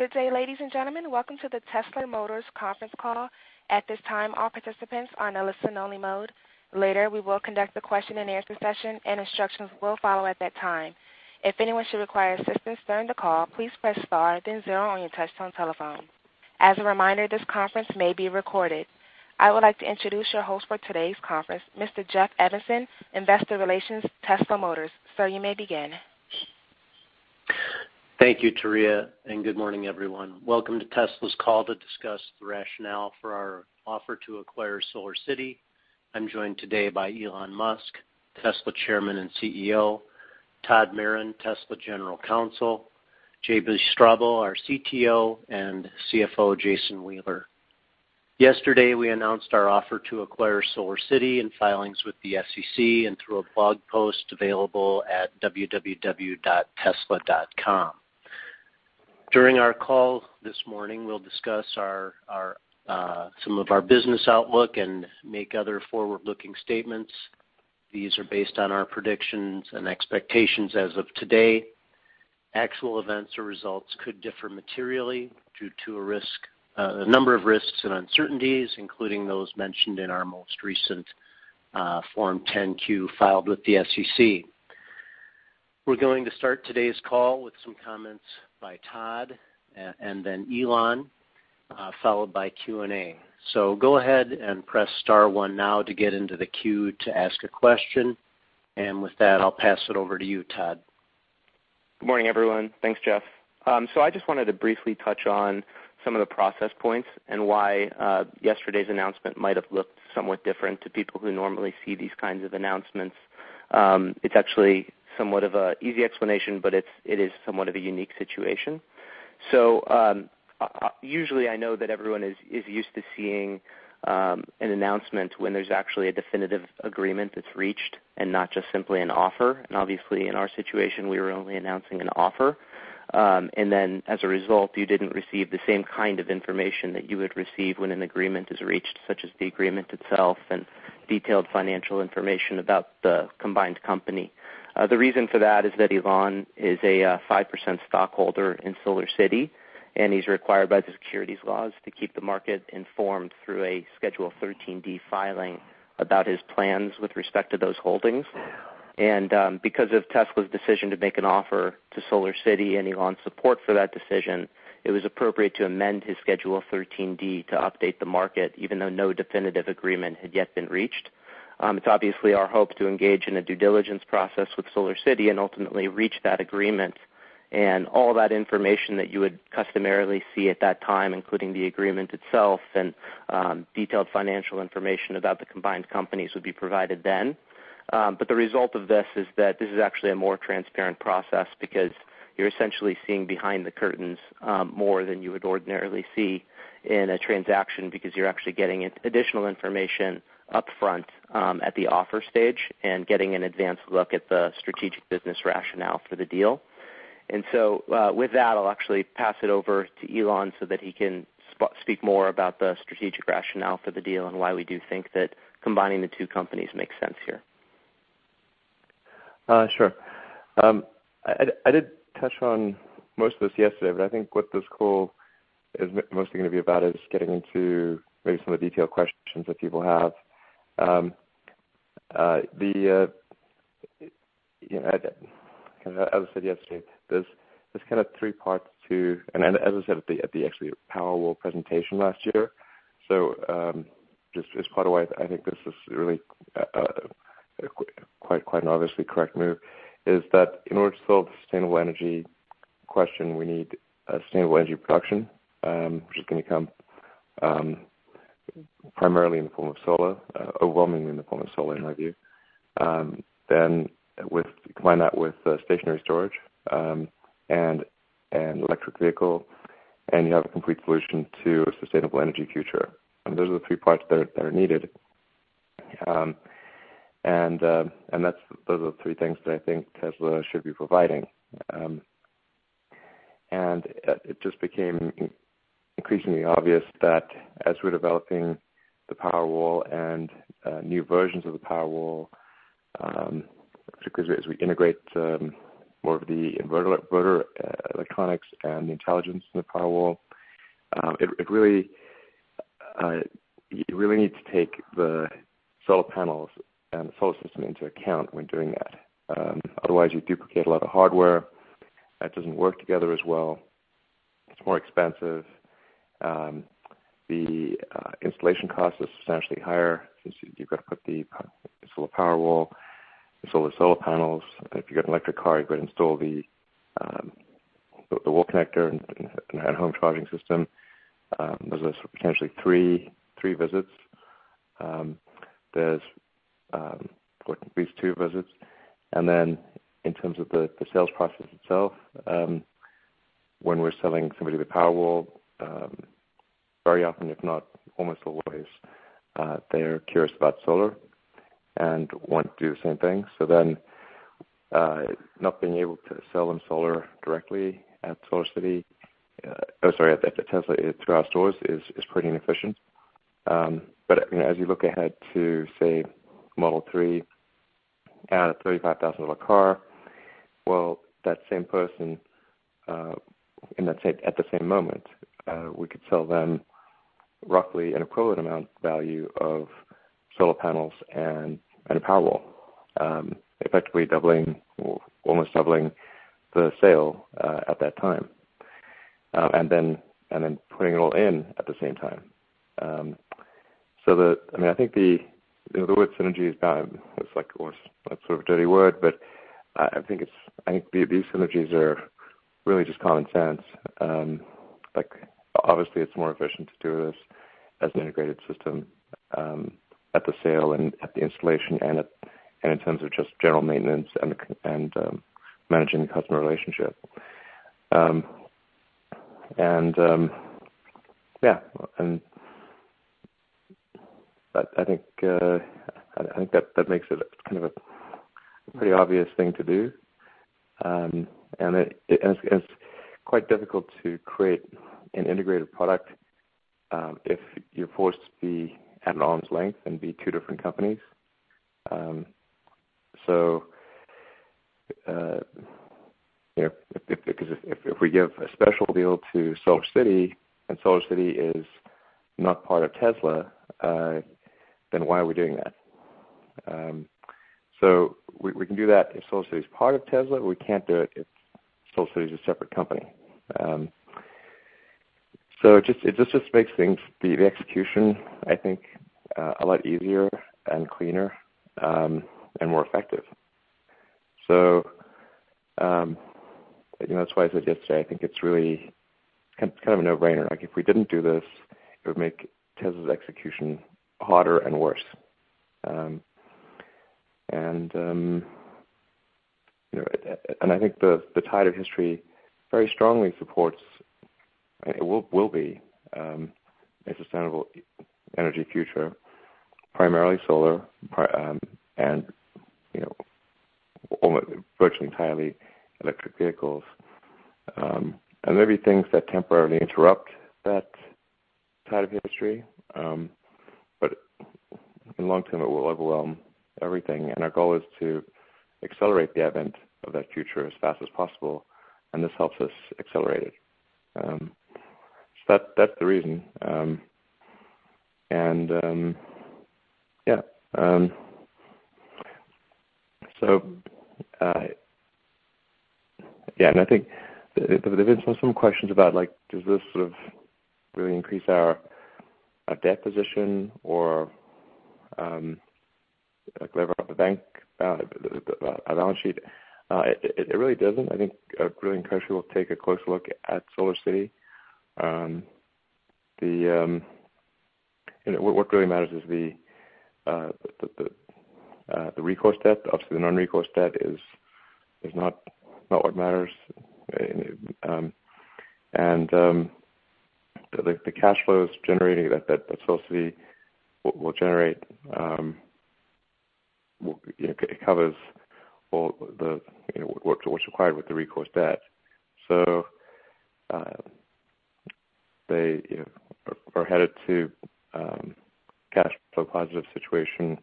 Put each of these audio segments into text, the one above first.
Good day, ladies and gentlemen. Welcome to the Tesla Motors Conference Call. At this time, all participants are in a listen-only mode. Later, we will conduct a question and answer session, and instructions will follow at that time. If anyone should require assistance during the call, please press star then zero on your touchtone telephone. As a reminder, this conference may be recorded. I would like to introduce your host for today's conference, Mr. Jeff Evanson, Investor Relations, Tesla Motors. Sir, you may begin. Thank you, Turiya. Good morning, everyone. Welcome to Tesla's call to discuss the rationale for our offer to acquire SolarCity. I'm joined today by Elon Musk, Tesla Chairman and CEO, Todd Maron, Tesla General Counsel, J.B. Straubel, our CTO, and CFO Jason Wheeler. Yesterday, we announced our offer to acquire SolarCity in filings with the SEC and through a blog post available at www.tesla.com. During our call this morning, we'll discuss some of our business outlook and make other forward-looking statements. These are based on our predictions and expectations as of today. Actual events or results could differ materially due to a number of risks and uncertainties, including those mentioned in our most recent Form 10-Q filed with the SEC. We're going to start today's call with some comments by Todd and then Elon, followed by Q&A. Go ahead and press star one now to get into the queue to ask a question. With that, I'll pass it over to you, Todd. Good morning, everyone. Thanks, Jeff. I just wanted to briefly touch on some of the process points and why yesterday's announcement might have looked somewhat different to people who normally see these kinds of announcements. It's actually somewhat of a easy explanation, but it is somewhat of a unique situation. Usually I know that everyone is used to seeing an announcement when there's actually a definitive agreement that's reached and not just simply an offer. Obviously, in our situation, we were only announcing an offer. Then as a result, you didn't receive the same kind of information that you would receive when an agreement is reached, such as the agreement itself and detailed financial information about the combined company. The reason for that is that Elon is a 5% stockholder in SolarCity, and he's required by the securities laws to keep the market informed through a Schedule 13D filing about his plans with respect to those holdings. Because of Tesla's decision to make an offer to SolarCity and Elon's support for that decision, it was appropriate to amend his Schedule 13D to update the market, even though no definitive agreement had yet been reached. It's obviously our hope to engage in a due diligence process with SolarCity and ultimately reach that agreement. All that information that you would customarily see at that time, including the agreement itself and detailed financial information about the combined companies, would be provided then. The result of this is that this is actually a more transparent process because you're essentially seeing behind the curtains, more than you would ordinarily see in a transaction because you're actually getting additional information upfront, at the offer stage and getting an advanced look at the strategic business rationale for the deal. With that, I'll actually pass it over to Elon so that he can speak more about the strategic rationale for the deal and why we do think that combining the two companies makes sense here. I did touch on most of this yesterday, I think what this call is mostly gonna be about is getting into maybe some of the detailed questions that people have. You know, as I said yesterday, there's kind of three parts to. As I said at the, at the actually Powerwall presentation last year, just part of why I think this is really quite an obviously correct move, is that in order to solve the sustainable energy question, we need sustainable energy production, which is gonna come primarily in the form of solar, overwhelmingly in the form of solar, in my view. Combine that with stationary storage and electric vehicle, you have a complete solution to a sustainable energy future. Those are the three parts that are needed. Those are the three things that I think Tesla should be providing. It just became increasingly obvious that as we're developing the Powerwall and new versions of the Powerwall, particularly as we integrate more of the inverter electronics and the intelligence in the Powerwall, you really need to take the solar panels and the solar system into account when doing that. Otherwise, you duplicate a lot of hardware. That doesn't work together as well. It's more expensive. The installation cost is substantially higher since you've got to put the solar Powerwall, the solar panels. If you've got an electric car, you've got to install the wall connector and a home charging system. Those are potentially three visits. There's at least two visits. In terms of the sales process itself, when we're selling somebody the Powerwall, very often, if not almost always, they're curious about solar and want to do the same thing. Not being able to sell them solar directly at SolarCity, or sorry, at Tesla through our stores is pretty inefficient. You know, as you look ahead to, say, Model 3 at a $35,000 car, that same person, in let's say at the same moment, we could sell them roughly an equivalent amount value of solar panels and a Powerwall, effectively doubling or almost doubling the sale at that time. Then putting it all in at the same time. I mean, I think the, you know, the word synergy is like almost like sort of a dirty word, but I think these synergies are really just common sense. Like, obviously it's more efficient to do this as an integrated system, at the sale and at the installation and in terms of just general maintenance and managing the customer relationship. Yeah. I think that makes it kind of a pretty obvious thing to do. It's quite difficult to create an integrated product if you're forced to be at an arm's length and be two different companies. You know, if we give a special deal to SolarCity and SolarCity is not part of Tesla, then why are we doing that? We can do that if SolarCity is part of Tesla. We can't do it if SolarCity is a separate company. It just makes things, the execution, I think, a lot easier and cleaner and more effective. You know, that's why I said yesterday, I think it's really kind of a no-brainer. Like, if we didn't do this, it would make Tesla's execution harder and worse. You know, I think the tide of history very strongly supports it will be a sustainable energy future, primarily solar, and, you know, virtually entirely electric vehicles. There may be things that temporarily interrupt that tide of history, but in the long term, it will overwhelm everything. Our goal is to accelerate the advent of that future as fast as possible, and this helps us accelerate it. That's the reason. Yeah, and I think there have been some questions about, like, does this sort of really increase our debt position or like lever up the bank balance sheet? It really doesn't. I think [grilling country] will take a closer look at SolarCity. You know, what really matters is the recourse debt. Obviously, the non-recourse debt is not what matters. The cash flows generated at SolarCity will generate, you know, it covers all the, you know, what's required with the recourse debt. They, you know, are headed to cash flow positive situation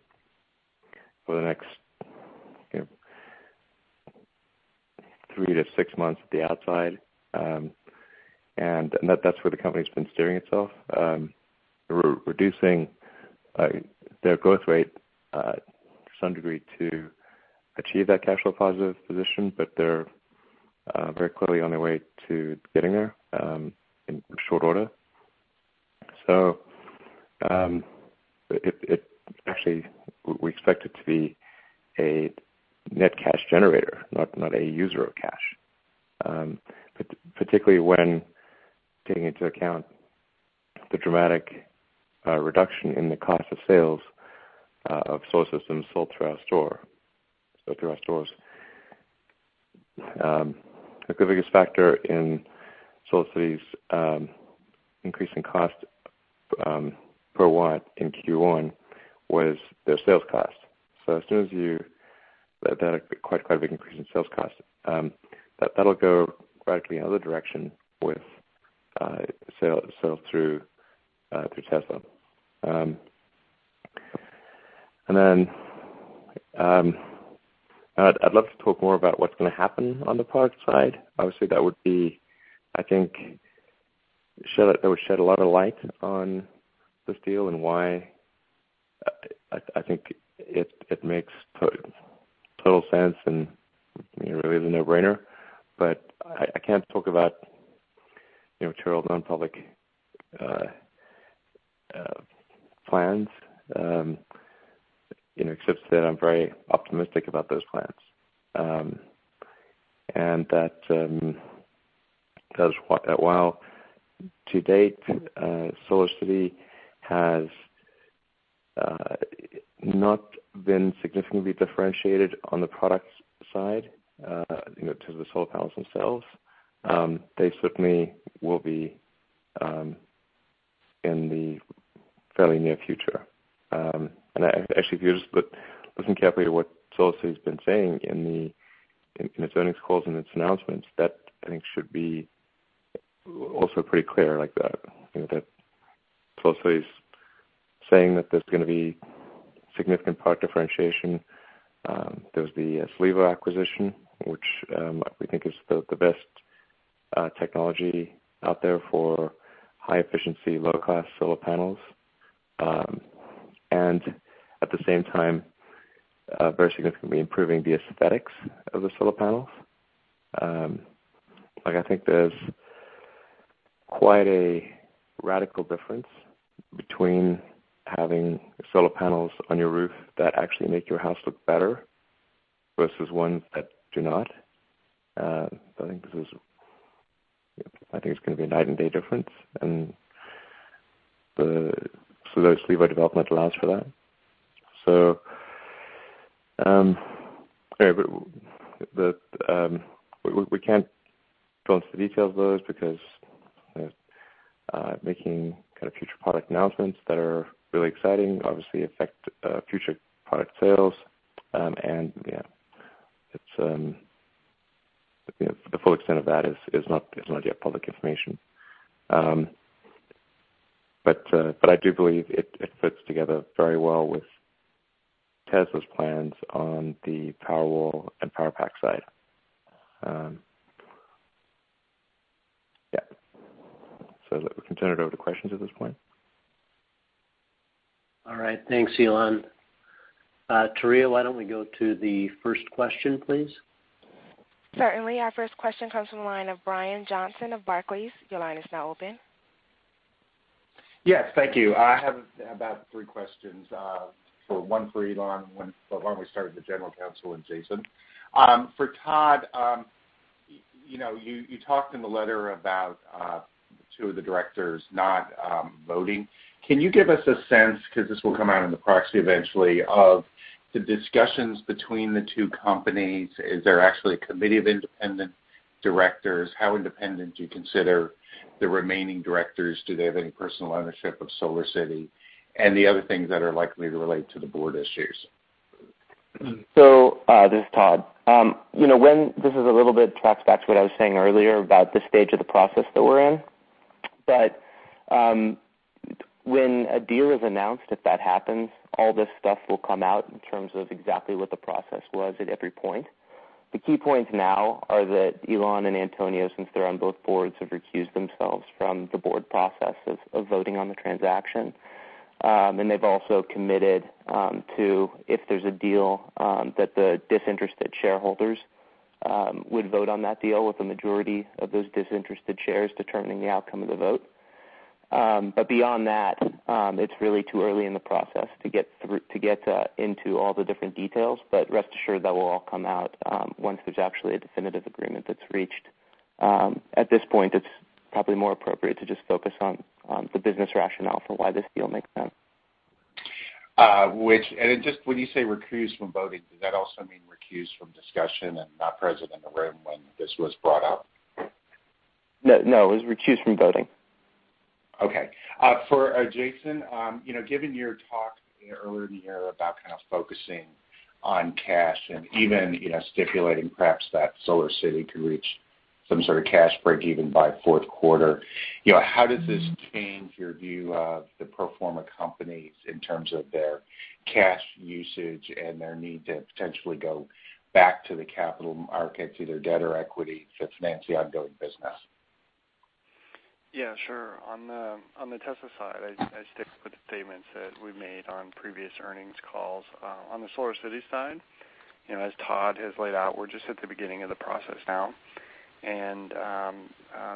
for the next, you know, three to six months at the outside. That's where the company's been steering itself, reducing their growth rate to some degree to achieve that cash flow positive position. They're very clearly on their way to getting there in short order. It actually, we expect it to be a net cash generator, not a user of cash. Particularly when taking into account the dramatic reduction in the cost of sales of solar systems sold through our store or through our stores. Like the biggest factor in SolarCity's increasing cost per watt in Q1 was their sales cost. As soon as they've had a quite a big increase in sales cost. That'll go radically in the other direction with sales through Tesla. I'd love to talk more about what's gonna happen on the product side. Obviously, that would be, I think, that would shed a lot of light on this deal and why I think it makes total sense and, you know, really is a no-brainer. I can't talk about, you know, material non-public plans, you know, except to say that I'm very optimistic about those plans. While to date, SolarCity has not been significantly differentiated on the product side, you know, to the solar panels themselves, they certainly will be in the fairly near future. I, actually if you just look, listen carefully to what SolarCity has been saying in its earnings calls and its announcements, that I think should be also pretty clear like that, you know, that SolarCity's saying that there's gonna be significant product differentiation. There's the Silevo acquisition, which we think is the best technology out there for high efficiency, low cost solar panels, and at the same time, very significantly improving the aesthetics of the solar panels. Like, I think there's quite a radical difference between having solar panels on your roof that actually make your house look better versus ones that do not. I think it's gonna be a night and day difference. The Silevo development allows for that. Anyway, we can't go into the details of those because making kind of future product announcements that are really exciting obviously affect future product sales. Yeah, it's, you know, the full extent of that is not yet public information. I do believe it fits together very well with Tesla's plans on the Powerwall and Powerpack side. Yeah. We can turn it over to questions at this point. All right. Thanks, Elon. Turiya, why don't we go to the first question, please? Certainly. Our first question comes from the line of Brian Johnson of Barclays. Your line is now open. Yes, thank you. I have about three questions, for one for Elon, one for why don't we start with the General Counsel and Jason. For Todd, you know, you talked in the letter about two of the directors not voting. Can you give us a sense, because this will come out in the proxy eventually, of the discussions between the two companies? Is there actually a committee of independent directors? How independent do you consider the remaining directors? Do they have any personal ownership of SolarCity? The other things that are likely to relate to the board issues? This is Todd. You know, this is a little bit tracks back to what I was saying earlier about the stage of the process that we're in. When a deal is announced, if that happens, all this stuff will come out in terms of exactly what the process was at every point. The key points now are that Elon and Antonio, since they're on both boards, have recused themselves from the board process of voting on the transaction. They've also committed to if there's a deal that the disinterested shareholders would vote on that deal with the majority of those disinterested shares determining the outcome of the vote. Beyond that, it's really too early in the process to get into all the different details. Rest assured, that will all come out, once there's actually a definitive agreement that's reached. At this point, it's probably more appropriate to just focus on the business rationale for why this deal makes sense. Then just when you say recused from voting, does that also mean recused from discussion and not present in the room when this was brought up? No, no, it was recused from voting. Okay. For Jason, you know, given your talk earlier in the year about kind of focusing on cash and even, you know, stipulating perhaps that SolarCity could reach some sort of cash breakeven by fourth quarter, you know, how does this change your view of the pro forma companies in terms of their cash usage and their need to potentially go back to the capital market, either debt or equity, to finance the ongoing business? Yeah, sure. On the Tesla side, I stick with the statements that we made on previous earnings calls. On the SolarCity side, you know, as Todd has laid out, we're just at the beginning of the process now.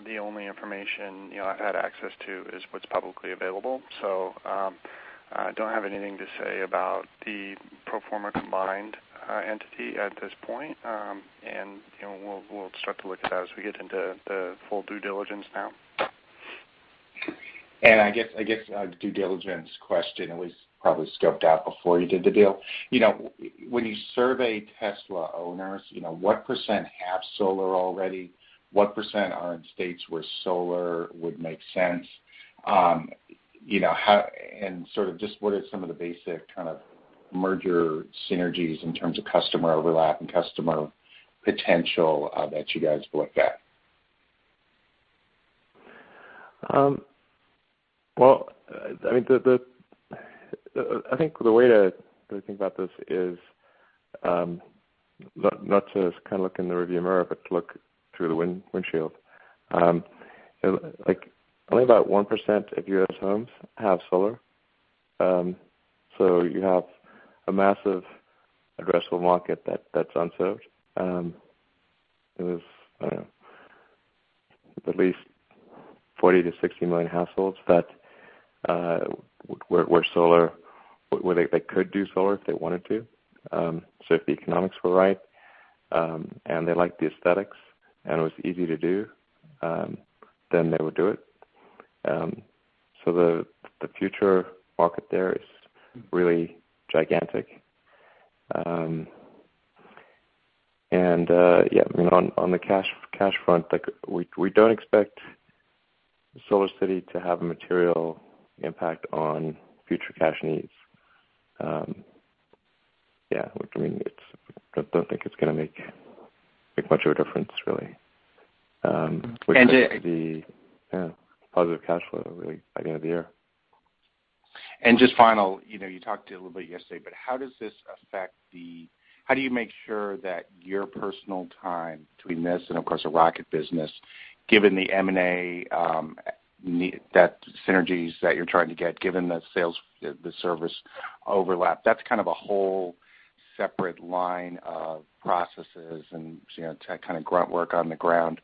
The only information, you know, I've had access to is what's publicly available. I don't have anything to say about the pro forma combined entity at this point. You know, we'll start to look at that as we get into the full due diligence now. I guess a due diligence question, it was probably scoped out before you did the deal. You know, when you survey Tesla owners, you know, what percent have solar already? What percent are in states where solar would make sense? You know, and sort of just what are some of the basic kind of merger synergies in terms of customer overlap and customer potential that you guys have looked at? Well, I mean, I think the way to think about this is not to kind of look in the rearview mirror, but to look through the windshield. You know, like only about 1% of U.S. homes have solar. You have a massive addressable market that's unserved. There's, I don't know, at least 40 million-60 million households that where solar, where they could do solar if they wanted to. If the economics were right, and they liked the aesthetics and it was easy to do, they would do it. The future market there is really gigantic. Yeah, I mean, on the cash front, like we don't expect SolarCity to have a material impact on future cash needs. Yeah, I mean, I don't think it's gonna make much of a difference really. And J- Yeah, positive cash flow really by the end of the year. Just final, you know, you talked a little bit yesterday, but how does this affect how do you make sure that your personal time between this and of course the SpaceX business, given the M&A, that synergies that you're trying to get, given the sales, the service overlap, that's kind of a whole separate line of processes and, you know, tech kind of grunt work on the ground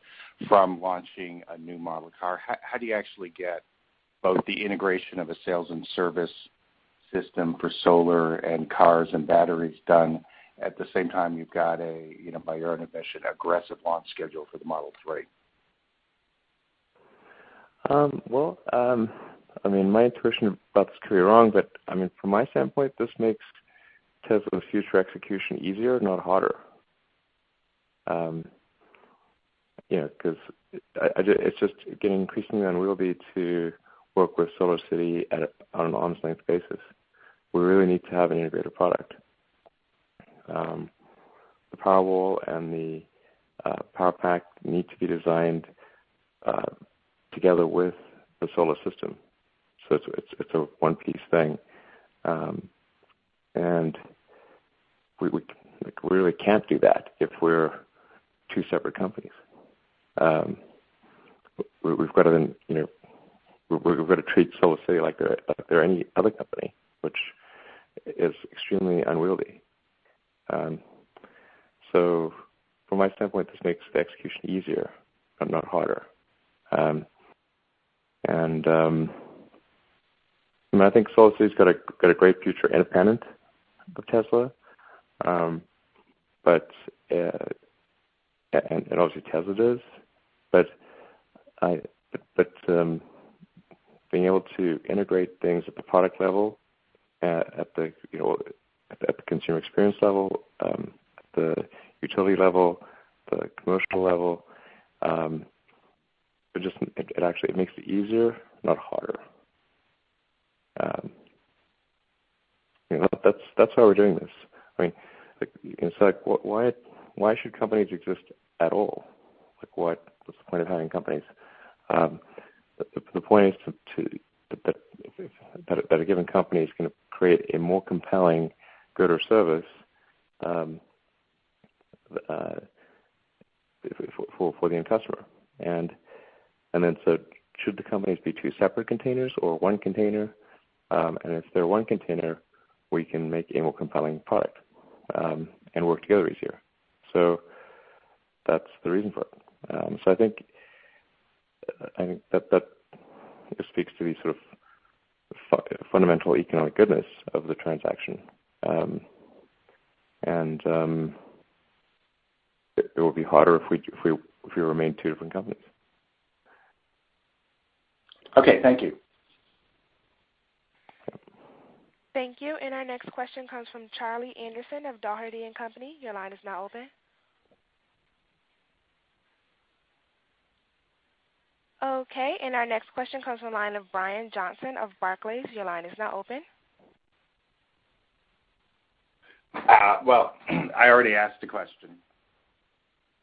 from launching a new Model 3 car. How do you actually get both the integration of a sales and service system for solar and cars and batteries done at the same time you've got a, you know, by your own admission, aggressive launch schedule for the Model 3? I mean, my intuition about this could be wrong, from my standpoint, this makes Tesla's future execution easier, not harder. You know, 'cause it's just getting increasingly unwieldy to work with SolarCity on an arm's length basis. We really need to have an integrated product. The Powerwall and the Powerpack need to be designed together with the solar system. It's a one piece thing. We like really can't do that if we're two separate companies. We've gotta, you know, we're gonna treat SolarCity like they're any other company, which is extremely unwieldy. From my standpoint, this makes the execution easier and not harder. I mean, I think SolarCity's got a, got a great future independent of Tesla, but, and obviously Tesla does. Being able to integrate things at the product level, at the, you know, at the consumer experience level, at the utility level, the commercial level, it actually makes it easier, not harder. You know, that's why we're doing this. I mean, like, it's like, why should companies exist at all? Like, what's the point of having companies? The point is to that, a given company is gonna create a more compelling good or service, for the end customer. Then so should the companies be two separate containers or one container? If they're one container, we can make a more compelling product, and work together easier. That's the reason for it. I think, I think that speaks to the sort of fundamental economic goodness of the transaction. It, it will be harder if we remain two different companies. Okay. Thank you. Thank you. Our next question comes from Charlie Anderson of Dougherty & Company. Your line is now open. Our next question comes from the line of Brian Johnson of Barclays. Your line is now open. Well, I already asked a question.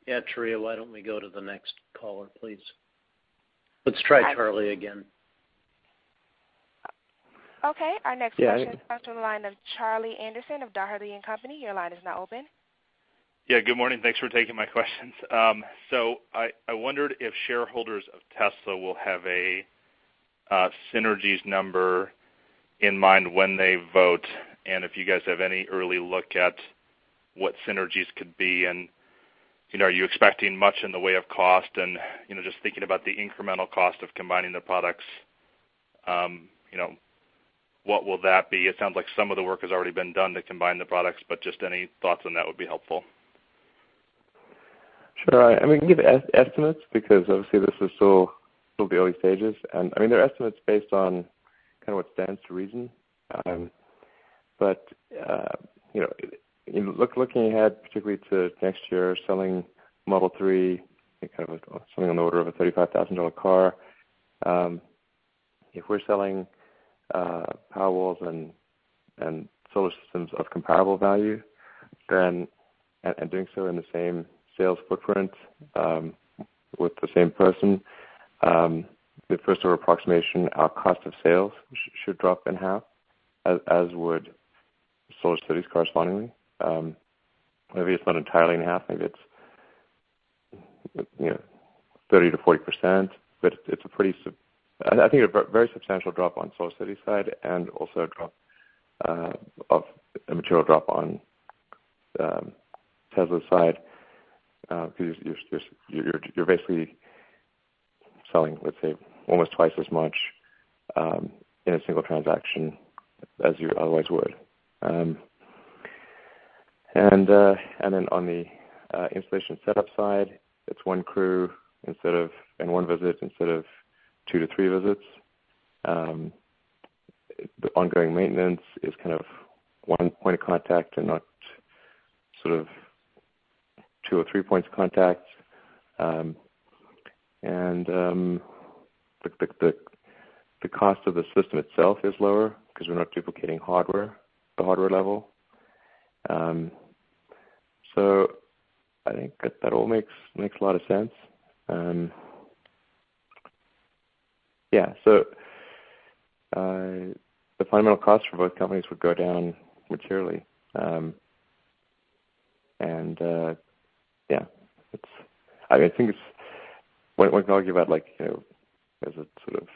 Turiya, why don't we go to the next caller, please? Let's try Charlie again. Okay. Our next question. Yeah. -comes from the line of Charlie Anderson of Dougherty & Company. Your line is now open. Yeah, good morning. Thanks for taking my questions. I wondered if shareholders of Tesla will have a synergies number in mind when they vote and if you guys have any early look at what synergies could be and, you know, are you expecting much in the way of cost and, you know, just thinking about the incremental cost of combining the products, you know, what will that be? It sounds like some of the work has already been done to combine the products, but just any thoughts on that would be helpful. Sure. I mean, we can give estimates because obviously this is still the early stages. I mean there are estimates based on kind of what stands to reason. You know, in looking ahead particularly to next year selling Model 3, I think kind of something on the order of a $35,000 car. If we're selling Powerwalls and solar systems of comparable value, and doing so in the same sales footprint, with the same person, the first order approximation, our cost of sales should drop in half, as would SolarCity's correspondingly. Maybe it's not entirely in half. Maybe it's, you know, 30%-40%, but it's a pretty, I think a very substantial drop on SolarCity's side and also a drop of a material drop on Tesla's side because you're basically selling, let's say, almost twice as much in a single transaction as you otherwise would. On the installation setup side, it's one crew instead of one visit instead of 2-3 visits. The ongoing maintenance is kind of one point of contact and not sort of two or three points of contact. The cost of the system itself is lower 'cause we're not duplicating hardware, the hardware level. I think that all makes a lot of sense. Yeah. The fundamental cost for both companies would go down materially. I think it's when we talk about like, you know, is it sort of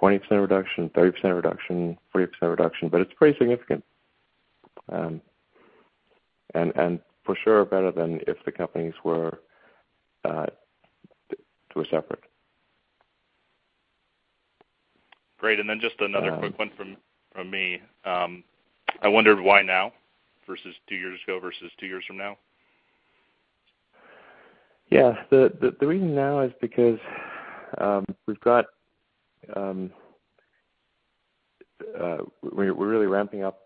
20% reduction, 30% reduction, 40% reduction? It's pretty significant. For sure better than if the companies were to separate. Great. Just another quick one from me. I wondered why now versus two years ago, versus two years from now? Yeah. The reason now is because we're really ramping up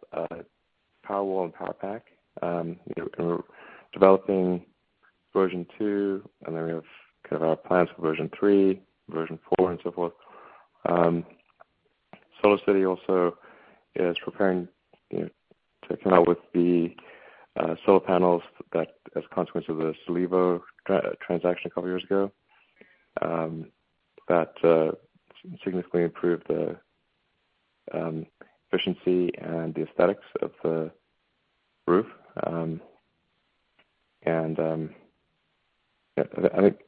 Powerwall and Powerpack. You know, we're developing version 2, then we have kind of our plans for version 3, version 4, and so forth. SolarCity also is preparing, you know, to come out with the solar panels that as a consequence of the SolarCity transaction a couple years ago, that significantly improve the efficiency and the aesthetics of the roof. Yeah, I think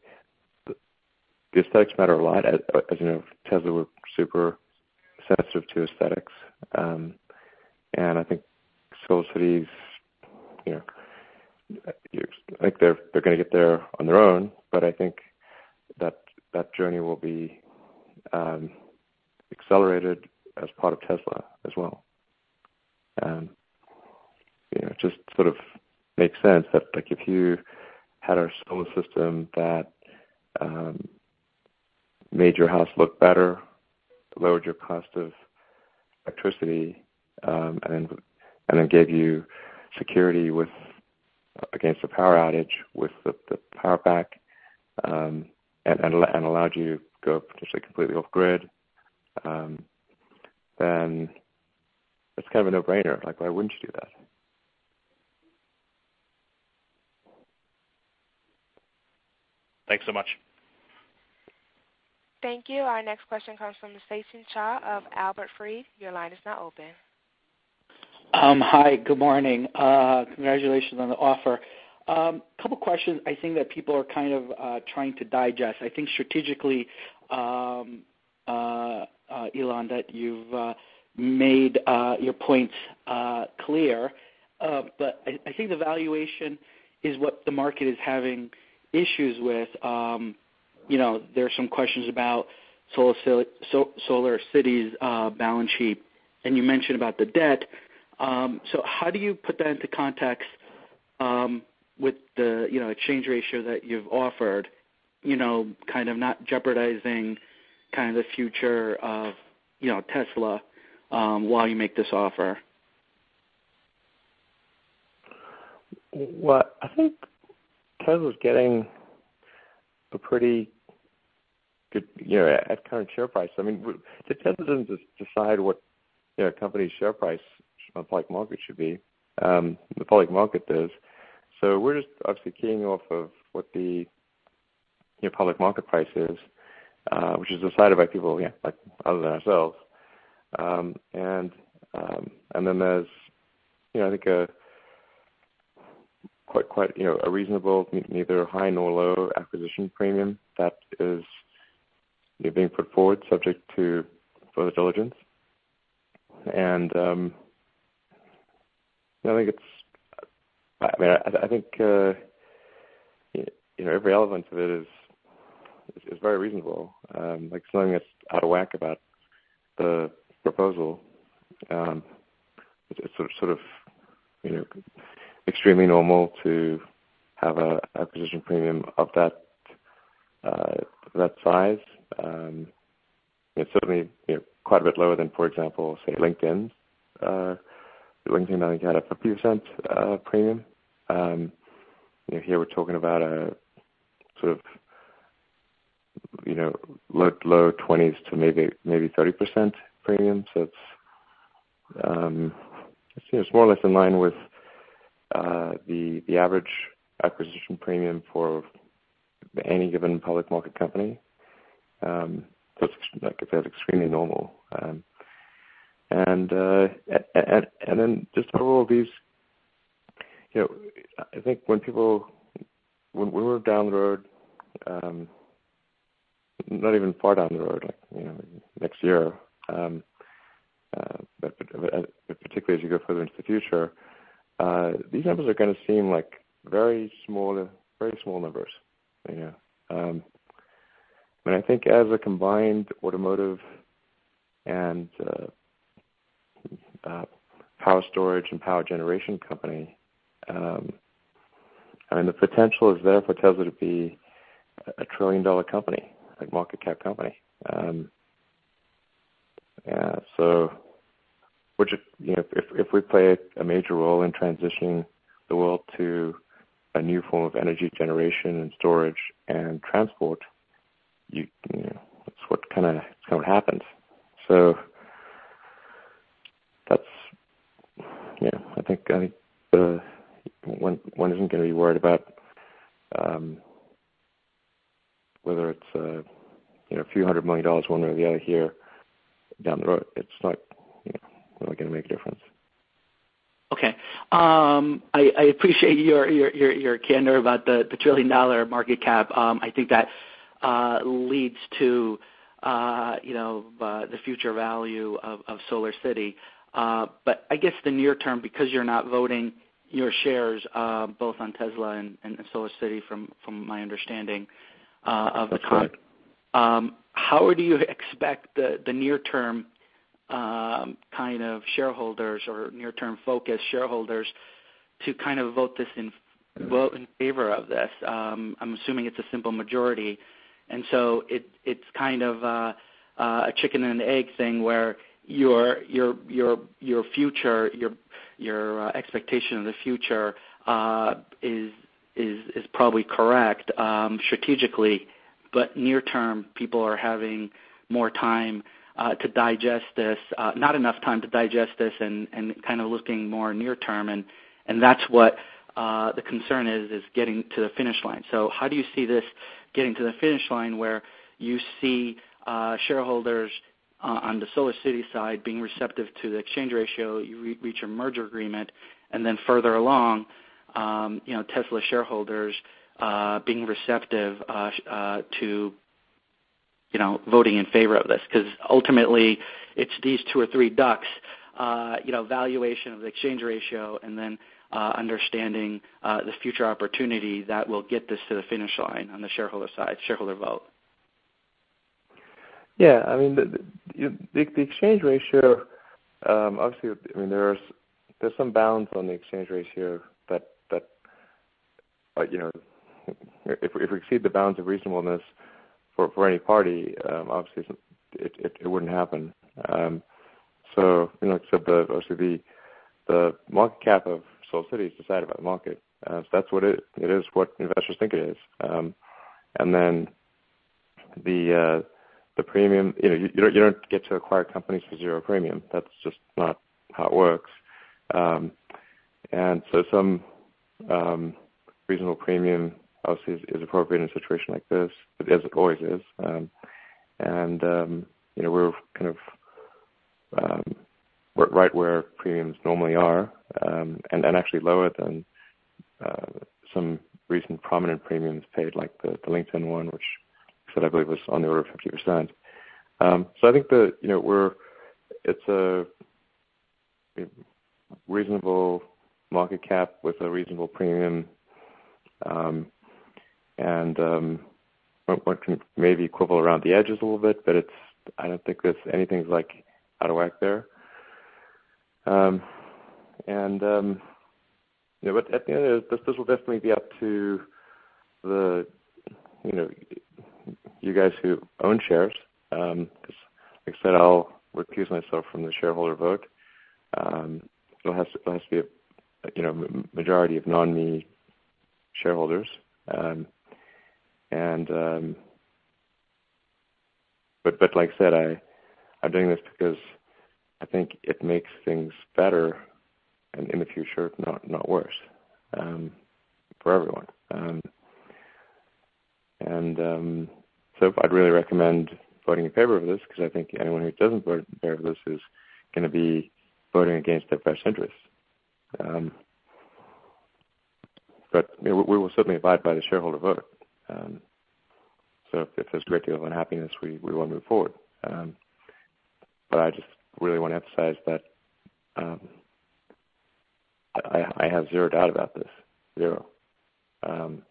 the aesthetics matter a lot. As you know, Tesla, we're super sensitive to aesthetics. I think SolarCity's, you know, I think they're going to get there on their own, but I think that that journey will be accelerated as part of Tesla as well. You know, it just sort of makes sense that like if you had our solar system that made your house look better, lowered your cost of electricity, and then gave you security with, against a power outage with the Powerpack, and allowed you to go potentially completely off grid, it's kind of a no-brainer. Like, why wouldn't you do that? Thanks so much. Thank you. Our next question comes from Sachin Shah of Albert Fried & Company. Your line is now open. Hi. Good morning. Congratulations on the offer. Couple questions I think that people are kind of trying to digest. I think strategically, Elon, that you've made your points clear. I think the valuation is what the market is having issues with. You know, there are some questions about SolarCity's balance sheet, and you mentioned about the debt. How do you put that into context, with the, you know, exchange ratio that you've offered, you know, kind of not jeopardizing kind of the future of, you know, Tesla, while you make this offer? Well, I think Tesla's getting a pretty good, you know, at current share price. I mean, so Tesla doesn't decide what their company's share price of public market should be, the public market does. We're just obviously keying off of what the, you know, public market price is, which is decided by people, yeah, like other than ourselves. Then there's, you know, I think a quite, you know, a reasonable, neither high nor low acquisition premium that is, you know, being put forward subject to further diligence. You know, I think it's, I mean, I think, you know, every element of it is very reasonable. Like something that's out of whack about the proposal, it's sort of, you know, extremely normal to have a acquisition premium of that size. It's certainly, you know, quite a bit lower than, for example, say LinkedIn's. LinkedIn I think had a 50% premium. You know, here we're talking about a sort of, you know, low 20%s to maybe 30% premium. It's, you know, it's more or less in line with the average acquisition premium for any given public market company. It's, like I said, extremely normal. Just overall these, you know, I think when we're down the road, not even far down the road, like, you know, next year, particularly as you go further into the future, these numbers are going to seem like very smaller, very small numbers, you know. I think as a combined automotive and Power storage and power generation company. I mean, the potential is there for Tesla to be a trillion-dollar company, like market cap company. Which is, you know, if we play a major role in transitioning the world to a new form of energy generation and storage and transport, you know, that's what kind of, that's what happens. That's Yeah, I think, one isn't gonna be worried about, whether it's, you know, a few hundred million dollars one way or the other here down the road. It's not, you know, really gonna make a difference. Okay. I appreciate your candor about the trillion-dollar market cap. I think that leads to, you know, the future value of SolarCity. I guess the near term, because you're not voting your shares, both on Tesla and SolarCity from my understanding. That's right. How do you expect the near term, kind of shareholders or near term focused shareholders to kind of vote this in vote in favor of this? I'm assuming it's a simple majority. It's kind of a chicken and an egg thing where your future, your expectation of the future is probably correct, strategically. Near term, people are having more time to digest this. Not enough time to digest this and kind of looking more near term and that's what the concern is getting to the finish line. How do you see this getting to the finish line where you see shareholders on the SolarCity side being receptive to the exchange ratio, you reach a merger agreement, and then further along, you know, Tesla shareholders being receptive to, you know, voting in favor of this? Because ultimately it's these two or three ducks, you know, valuation of the exchange ratio and then understanding the future opportunity that will get this to the finish line on the shareholder side, shareholder vote. Yeah. I mean, the exchange ratio, obviously, I mean, there's some bounds on the exchange ratio that, you know, if we exceed the bounds of reasonableness for any party, obviously it wouldn't happen. You know, except the obviously the market cap of SolarCity is decided by the market. That's what it is what investors think it is. The premium, you know, you don't get to acquire companies for zero premium. That's just not how it works. Some reasonable premium obviously is appropriate in a situation like this, as it always is. You know, we're kind of, we're right where premiums normally are, and actually lower than some recent prominent premiums paid, like the LinkedIn one, which I said I believe was on the order of 50%. I think that, you know, it's a reasonable market cap with a reasonable premium. One can maybe quibble around the edges a little bit, but I don't think there's anything's, like, out of whack there. You know, at the end of the day, this will definitely be up to the, you know, you guys who own shares, 'cause like I said, I'll recuse myself from the shareholder vote. It has to be a, you know, majority of non-me shareholders. Like I said, I'm doing this because I think it makes things better and in the future, not worse, for everyone. I'd really recommend voting in favor of this because I think anyone who doesn't vote in favor of this is gonna be voting against their best interests. you know, we will certainly abide by the shareholder vote. If there's a great deal of unhappiness, we won't move forward. I just really want to emphasize that I have zero doubt about this. Zero. you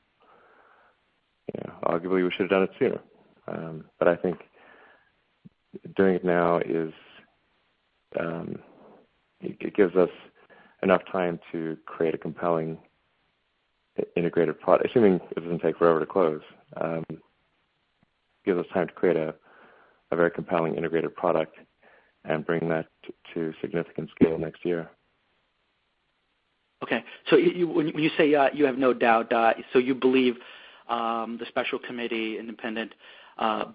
know, arguably, we should have done it sooner. I think doing it now is, it gives us enough time to create a compelling integrated product, assuming it doesn't take forever to close. gives us time to create a very compelling integrated product and bring that to significant scale next year. Okay. You when you say, you have no doubt, you believe the special committee, independent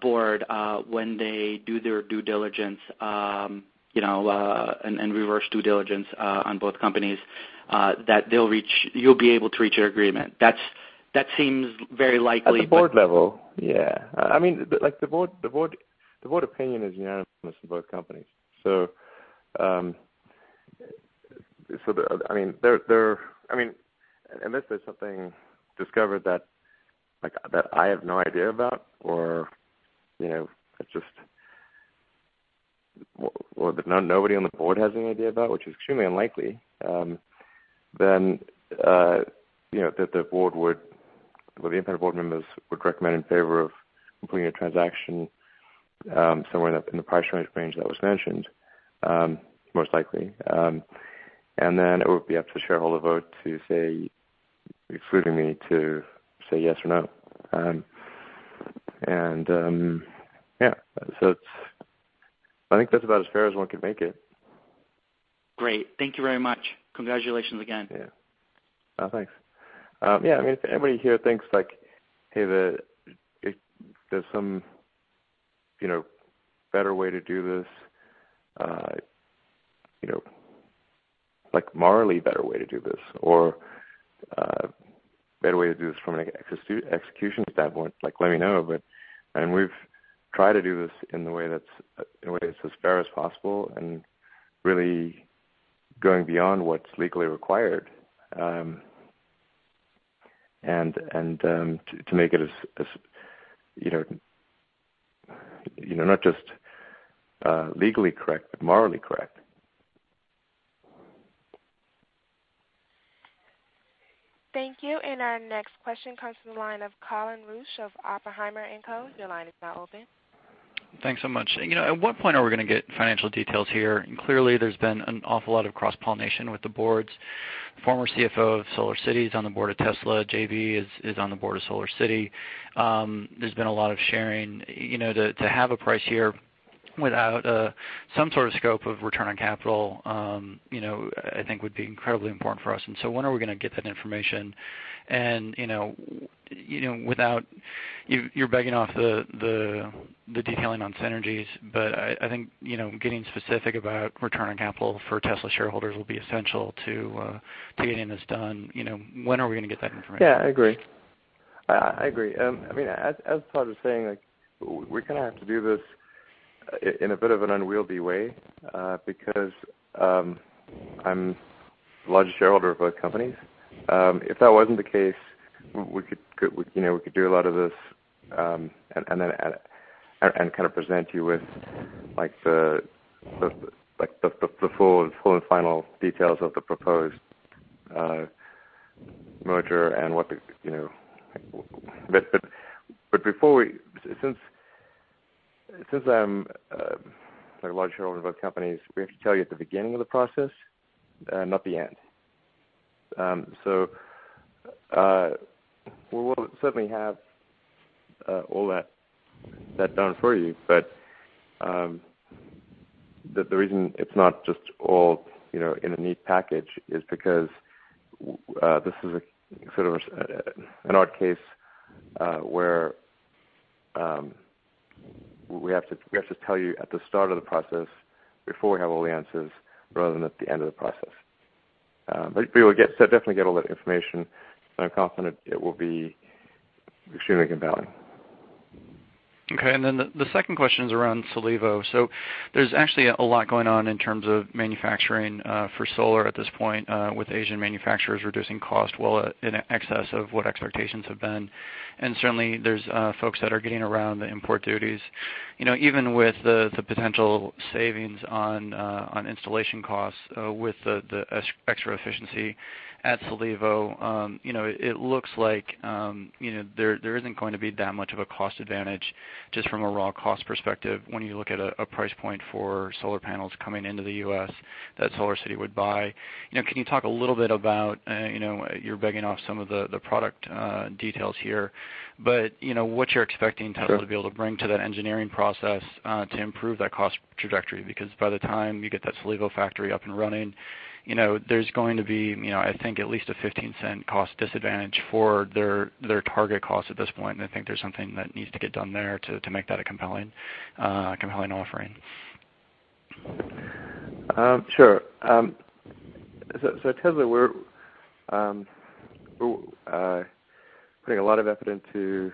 board, when they do their due diligence, you know, and reverse due diligence on both companies, that you'll be able to reach an agreement. That seems very likely. At the board level, yeah. I mean, like the board opinion is unanimous in both companies. I mean, unless there's something discovered that, like, that I have no idea about or, you know, well, that nobody on the board has any idea about, which is extremely unlikely, you know, Well, the independent board members would recommend in favor of completing a transaction, somewhere in the price range that was mentioned, most likely. It would be up to shareholder vote to say, excluding me, to say yes or no. Yeah. I think that's about as fair as one can make it. Great. Thank you very much. Congratulations again. Yeah. Thanks. Yeah, I mean, if anybody here thinks like, hey, if there's some, you know, better way to do this, you know, like morally better way to do this or, better way to do this from an execution standpoint, like, let me know. I mean, we've tried to do this in a way that's as fair as possible and really going beyond what's legally required, and, to make it as, you know, not just legally correct, but morally correct. Thank you. Our next question comes from the line of Colin Rusch of Oppenheimer & Co. Your line is now open. Thanks so much. You know, at what point are we gonna get financial details here? Clearly, there's been an awful lot of cross-pollination with the boards. Former CFO of SolarCity is on the board of Tesla. JB is on the board of SolarCity. There's been a lot of sharing. You know, to have a price here without some sort of scope of return on capital, you know, I think would be incredibly important for us. When are we gonna get that information? You know, you know, without you're begging off the detailing on synergies, but I think, you know, getting specific about return on capital for Tesla shareholders will be essential to getting this done. You know, when are we gonna get that information? Yeah, I agree. I agree. I mean, as Todd was saying, like we're gonna have to do this in a bit of an unwieldy way, because I'm the largest shareholder of both companies. If that wasn't the case, we could, you know, we could do a lot of this, and then and kind of present you with like the full and final details of the proposed merger and what the, you know. Since I'm like a large shareholder of both companies, we have to tell you at the beginning of the process, not the end. We will certainly have all that done for you. The reason it's not just all, you know, in a neat package is because this is a sort of an odd case where we have to tell you at the start of the process before we have all the answers rather than at the end of the process. Definitely get all that information, and I'm confident it will be extremely compelling. Okay. The second question is around Silevo. There's actually a lot going on in terms of manufacturing for solar at this point with Asian manufacturers reducing cost well in excess of what expectations have been. Certainly there's folks that are getting around the import duties. You know, even with the potential savings on installation costs with the extra efficiency at Silevo, you know, it looks like, you know, there isn't going to be that much of a cost advantage just from a raw cost perspective when you look at a price point for solar panels coming into the U.S. that SolarCity would buy. You know, can you talk a little bit about, you know, you're begging off some of the product details here, but, you know, what you're expecting. Sure. Tesla to be able to bring to that engineering process to improve that cost trajectory. By the time you get that Silevo factory up and running, you know, there's going to be, you know, I think at least a $0.15 cost disadvantage for their target cost at this point. I think there's something that needs to get done there to make that a compelling offering. Sure. At Tesla we're putting a lot of effort into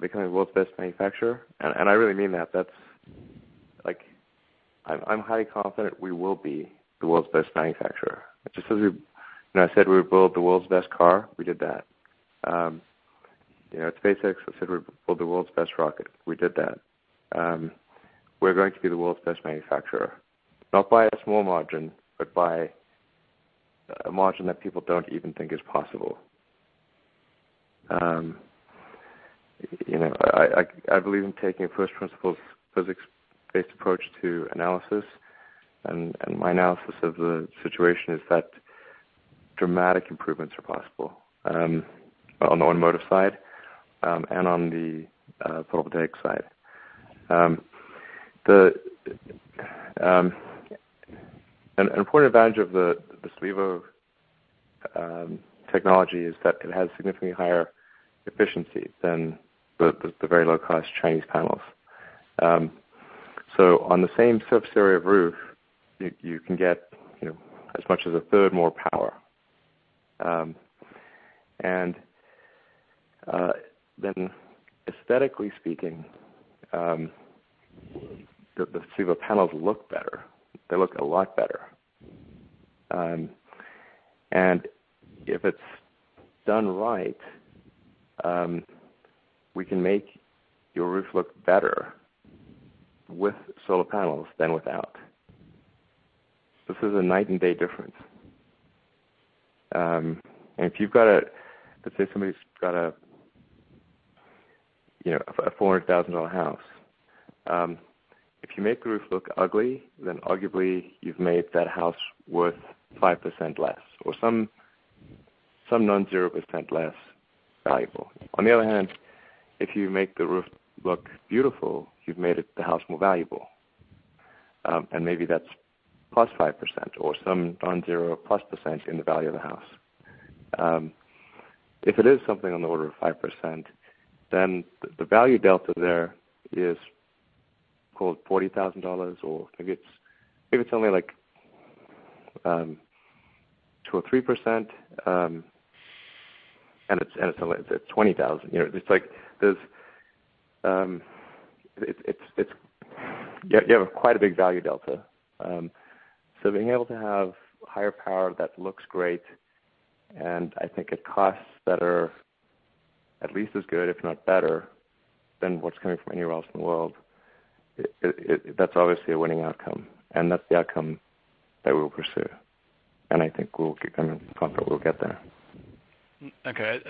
becoming the world's best manufacturer, and I really mean that. That's, like I'm highly confident we will be the world's best manufacturer. Just as we, you know, said we would build the world's best car, we did that. You know, at SpaceX we said we'd build the world's best rocket. We did that. We're going to be the world's best manufacturer, not by a small margin, but by a margin that people don't even think is possible. You know, I believe in taking a first principles physics-based approach to analysis and my analysis of the situation is that dramatic improvements are possible on the automotive side and on the photovoltaic side. An important advantage of the Silevo technology is that it has significantly higher efficiency than the very low cost Chinese panels. On the same surface area of roof, you can get, you know, as much as a third more power. Aesthetically speaking, the Silevo panels look better. They look a lot better. If it's done right, we can make your roof look better with solar panels than without. This is a night and day difference. If you've got let's say somebody's got a, you know, a $400,000 house. If you make the roof look ugly, arguably you've made that house worth 5% less or some non-zero percent less valuable. If you make the roof look beautiful, you've made it the house more valuable. Maybe that's +5% or some non-zero plus percent in the value of the house. If it is something on the order of 5%, the value delta there is called $40,000 or maybe it's only like 2% or 3%, it's only, it's at $20,000. You know, it's like there's, it's you have quite a big value delta. Being able to have higher power that looks great and I think it costs better, at least as good if not better than what's coming from anywhere else in the world, that's obviously a winning outcome and that's the outcome that we'll pursue and I think we'll be confident we'll get there. Okay.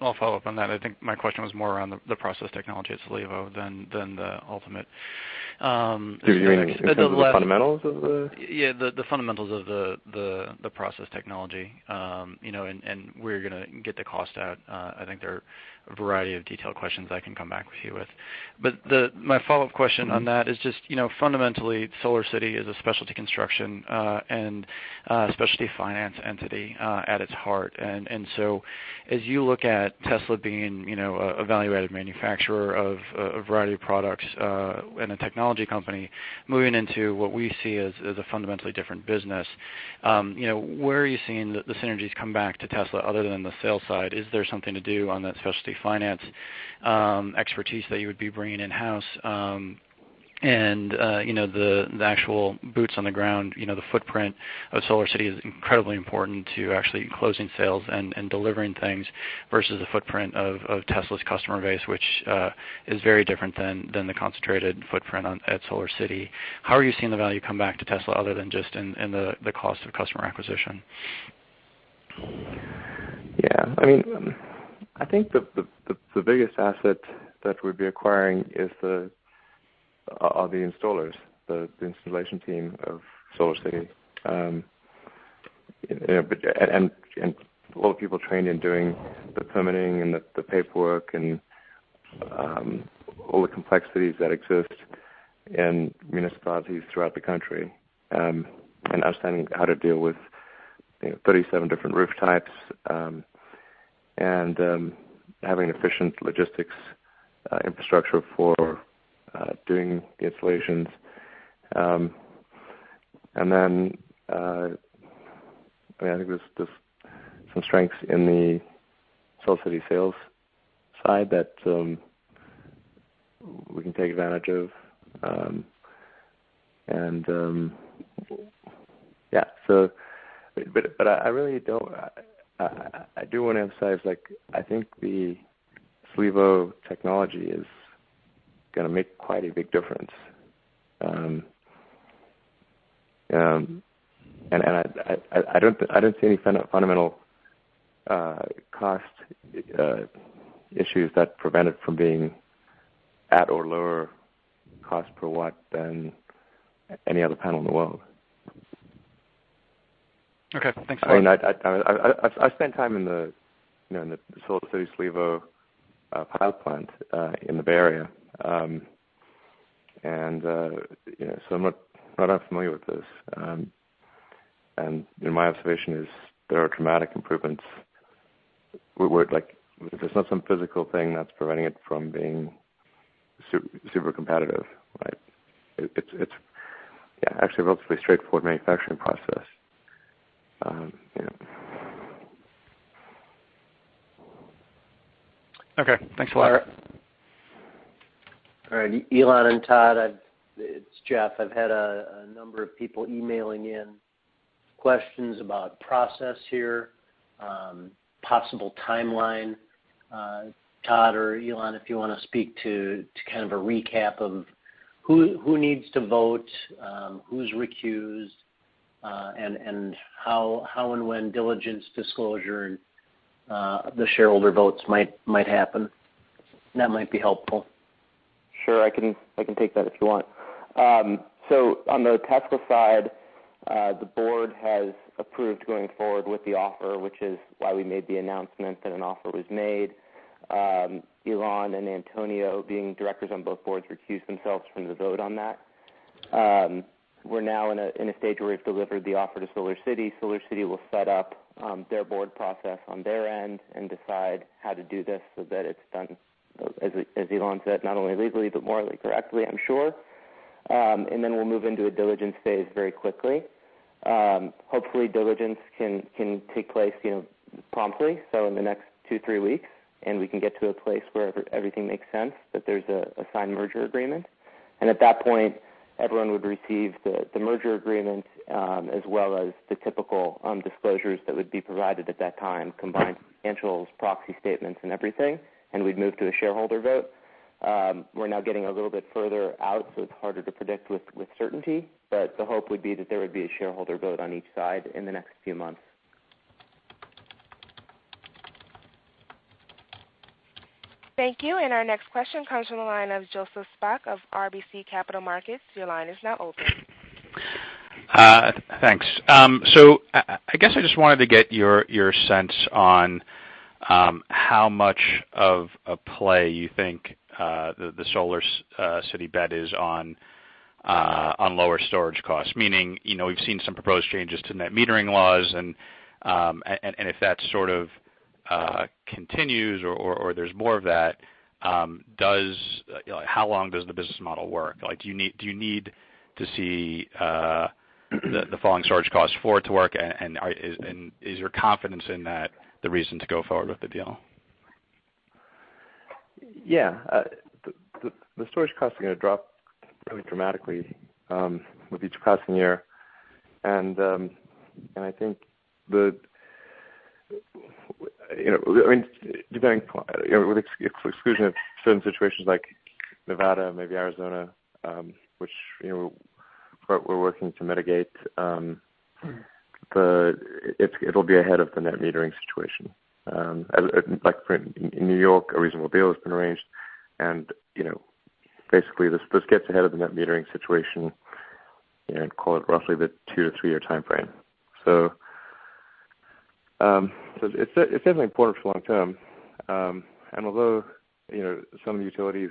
I'll follow up on that. I think my question was more around the process technology at Silevo than the ultimate. You mean in terms of the fundamentals of the? Yeah, the fundamentals of the process technology, you know, and where you're gonna get the cost at. I think there are a variety of detailed questions I can come back to you with. My follow-up question on that is just, you know, fundamentally, SolarCity is a specialty construction and specialty finance entity at its heart. As you look at Tesla being, you know, a evaluated manufacturer of a variety of products and a technology company moving into what we see as a fundamentally different business, you know, where are you seeing the synergies come back to Tesla other than the sales side? Is there something to do on that specialty finance expertise that you would be bringing in-house? You know, the actual boots on the ground, you know, the footprint of SolarCity is incredibly important to actually closing sales and delivering things versus the footprint of Tesla's customer base, which is very different than the concentrated footprint at SolarCity. How are you seeing the value come back to Tesla other than just in the cost of customer acquisition? Yeah. I mean, I think the biggest asset that we'd be acquiring are the installers, the installation team of SolarCity. You know, and all the people trained in doing the permitting and the paperwork and all the complexities that exist in municipalities throughout the country, and understanding how to deal with, you know, 37 different roof types, and having efficient logistics infrastructure for doing the installations. I mean, I think there's some strengths in the SolarCity sales side that we can take advantage of. Yeah. But I really don't. I do wanna emphasize like I think the Silevo technology is gonna make quite a big difference. I don't see any fundamental cost issues that prevent it from being at or lower cost per watt than any other panel in the world. Okay. Thanks a lot. I mean, I've spent time in the, you know, in the SolarCity Silevo pilot plant in the Bay Area. You know, so I'm not unfamiliar with this. You know, my observation is there are dramatic improvements where like there's not some physical thing that's preventing it from being super competitive, right? It's, yeah, actually a relatively straightforward manufacturing process, you know. Okay. Thanks a lot. All right. Elon and Todd, it's Jeff. I've had a number of people emailing in questions about process here, possible timeline. Todd or Elon, if you wanna speak to kind of a recap of who needs to vote, who's recused, and how and when diligence disclosure and the shareholder votes might happen. That might be helpful. Sure. I can take that if you want. On the Tesla side, the board has approved going forward with the offer, which is why we made the announcement that an offer was made. Elon and Antonio, being directors on both boards, recused themselves from the vote on that. We're now in a stage where we've delivered the offer to SolarCity. SolarCity will set up their board process on their end and decide how to do this so that it's done as Elon said, not only legally, but morally correctly, I'm sure. We'll move into a diligence phase very quickly. Hopefully diligence can take place, you know, promptly, so in the next two, three weeks, and we can get to a place where everything makes sense, that there's a signed merger agreement. At that point, everyone would receive the merger agreement, as well as the typical disclosures that would be provided at that time, combined financials, proxy statements and everything, and we'd move to a shareholder vote. We're now getting a little bit further out, so it's harder to predict with certainty. The hope would be that there would be a shareholder vote on each side in the next few months. Thank you. Our next question comes from the line of Joseph Spak of RBC Capital Markets. Your line is now open. Thanks. I guess I just wanted to get your sense on how much of a play you think the SolarCity bet is on lower storage costs. Meaning, you know, we've seen some proposed changes to net metering laws and if that sort of continues or there's more of that, you know, how long does the business model work? Like, do you need to see the falling storage costs for it to work? And is your confidence in that the reason to go forward with the deal? The storage costs are gonna drop really dramatically with each passing year. I think the, you know, I mean, depending, you know, with exclusion of certain situations like Nevada, maybe Arizona, which, you know, we're working to mitigate, it'll be ahead of the net metering situation. Like in New York, a reasonable deal has been arranged and, you know, basically this gets ahead of the net metering situation in call it roughly the two to three-year timeframe. It's definitely important for long term. Although, you know, some utilities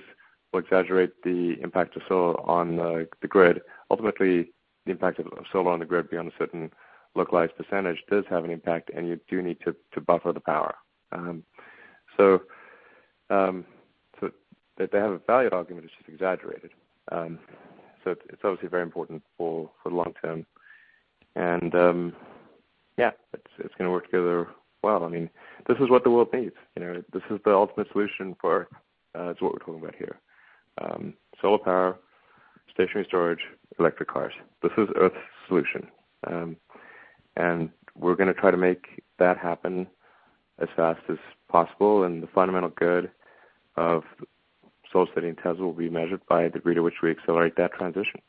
will exaggerate the impact of solar on the grid, ultimately the impact of solar on the grid beyond a certain localized percentage does have an impact and you do need to buffer the power. They have a value argument, it's just exaggerated. It's obviously very important for the long term. It's, it's gonna work together well. I mean, this is what the world needs, you know. This is the ultimate solution for, is what we're talking about here. Solar power, stationary storage, electric cars. This is Earth's solution. We're gonna try to make that happen as fast as possible. The fundamental good of SolarCity and Tesla will be measured by the degree to which we accelerate that transition.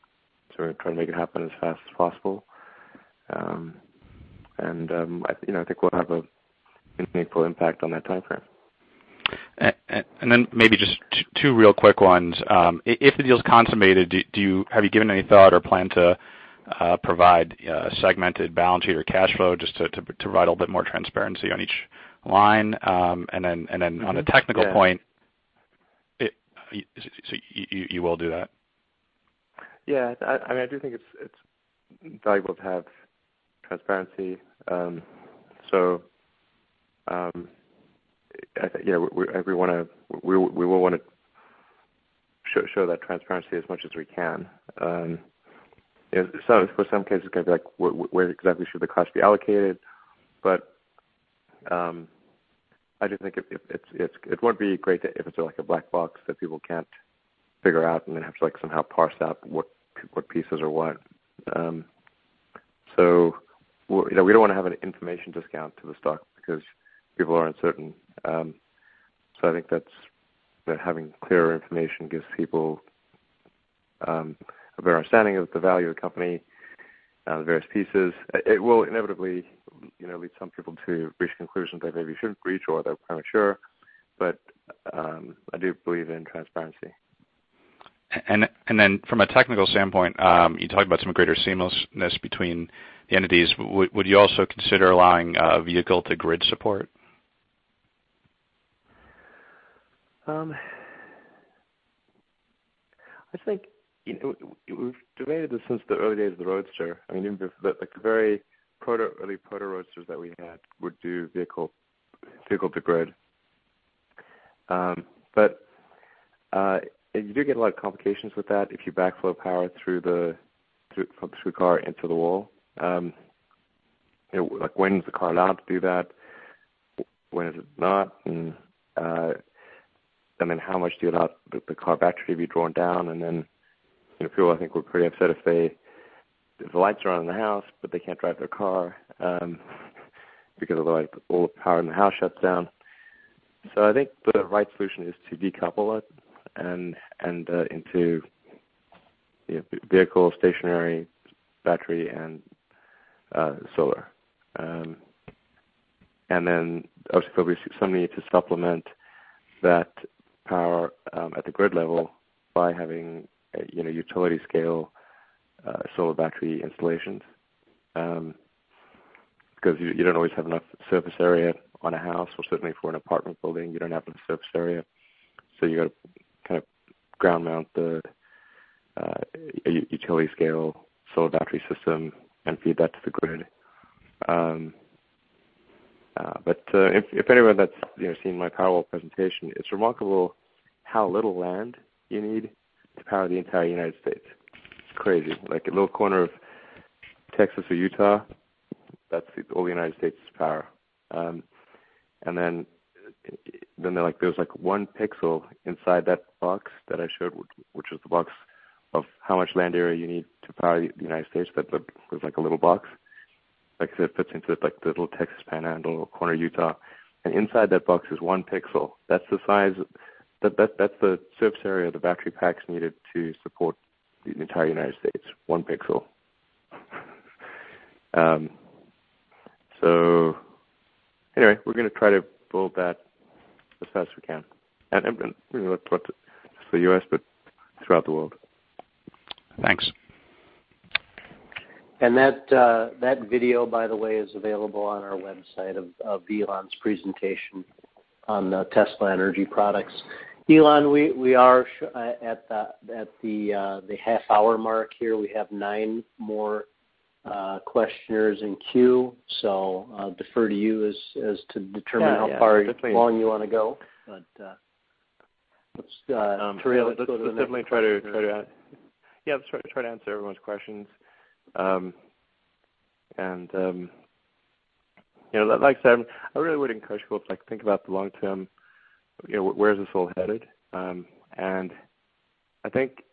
We're gonna try to make it happen as fast as possible. You know, I think we'll have a meaningful impact on that timeframe. Maybe just two real quick ones. If the deal's consummated, have you given any thought or plan to provide segmented balance sheet or cash flow just to provide a little bit more transparency on each line? On a technical point. Yeah. It So you will do that? Yeah. I mean, I do think it's valuable to have transparency. We will wanna show that transparency as much as we can. You know, for some cases, it can be like, where exactly should the cost be allocated? I just think it won't be great if it's like a black box that people can't figure out and then have to like somehow parse out what pieces are what. We're, you know, we don't wanna have an information discount to the stock because people are uncertain. I think that having clearer information gives people a better understanding of the value of the company, the various pieces. It will inevitably, you know, lead some people to reach conclusions they maybe shouldn't reach or they're premature, but I do believe in transparency. Then from a technical standpoint, you talked about some greater seamlessness between the entities. Would you also consider allowing vehicle-to-grid support? I think, you know, we've debated this since the early days of the Roadster. I mean, even the very early Roadsters that we had would do vehicle-to-grid. You do get a lot of complications with that if you backflow power from the car into the wall. You know, like when is the car allowed to do that? When is it not? I mean, how much do you allow the car battery to be drawn down? You know, people I think were pretty upset if the lights are on in the house, but they can't drive their car, because of like all the power in the house shuts down. I think the right solution is to decouple it into, you know, vehicle, stationary battery and solar. Obviously folks will still need to supplement that power at the grid level by having, you know, utility scale solar battery installations. Because you don't always have enough surface area on a house or certainly for an apartment building, you don't have enough surface area, so you gotta kind of ground mount the utility scale solar battery system and feed that to the grid. But if anyone that's, you know, seen my Powerwall presentation, it's remarkable how little land you need to power the entire United States. It's crazy. Like a little corner of Texas or Utah, that's all the United States' power. Like there's like one pixel inside that box that I showed, which was the box of how much land area you need to power the United States. That was like a little box. Like I said, fits into like the little Texas Panhandle or corner of Utah. Inside that box is one pixel. That's the surface area of the battery packs needed to support the entire United States, one pixel. Anyway, we're gonna try to build that as fast as we can. You know, not just the U.S., but throughout the world. Thanks. That video, by the way, is available on our website of Elon's presentation on the Tesla Energy products. Elon, we are at the half-hour mark here. We have nine more questioners in queue. I'll defer to you. Yeah, yeah. Definitely how far long you wanna go. let's Turiya, let's go to the next. Let's definitely try to answer everyone's questions. You know, like I said, I really would encourage folks to like think about the long term, you know, where is this all headed. I think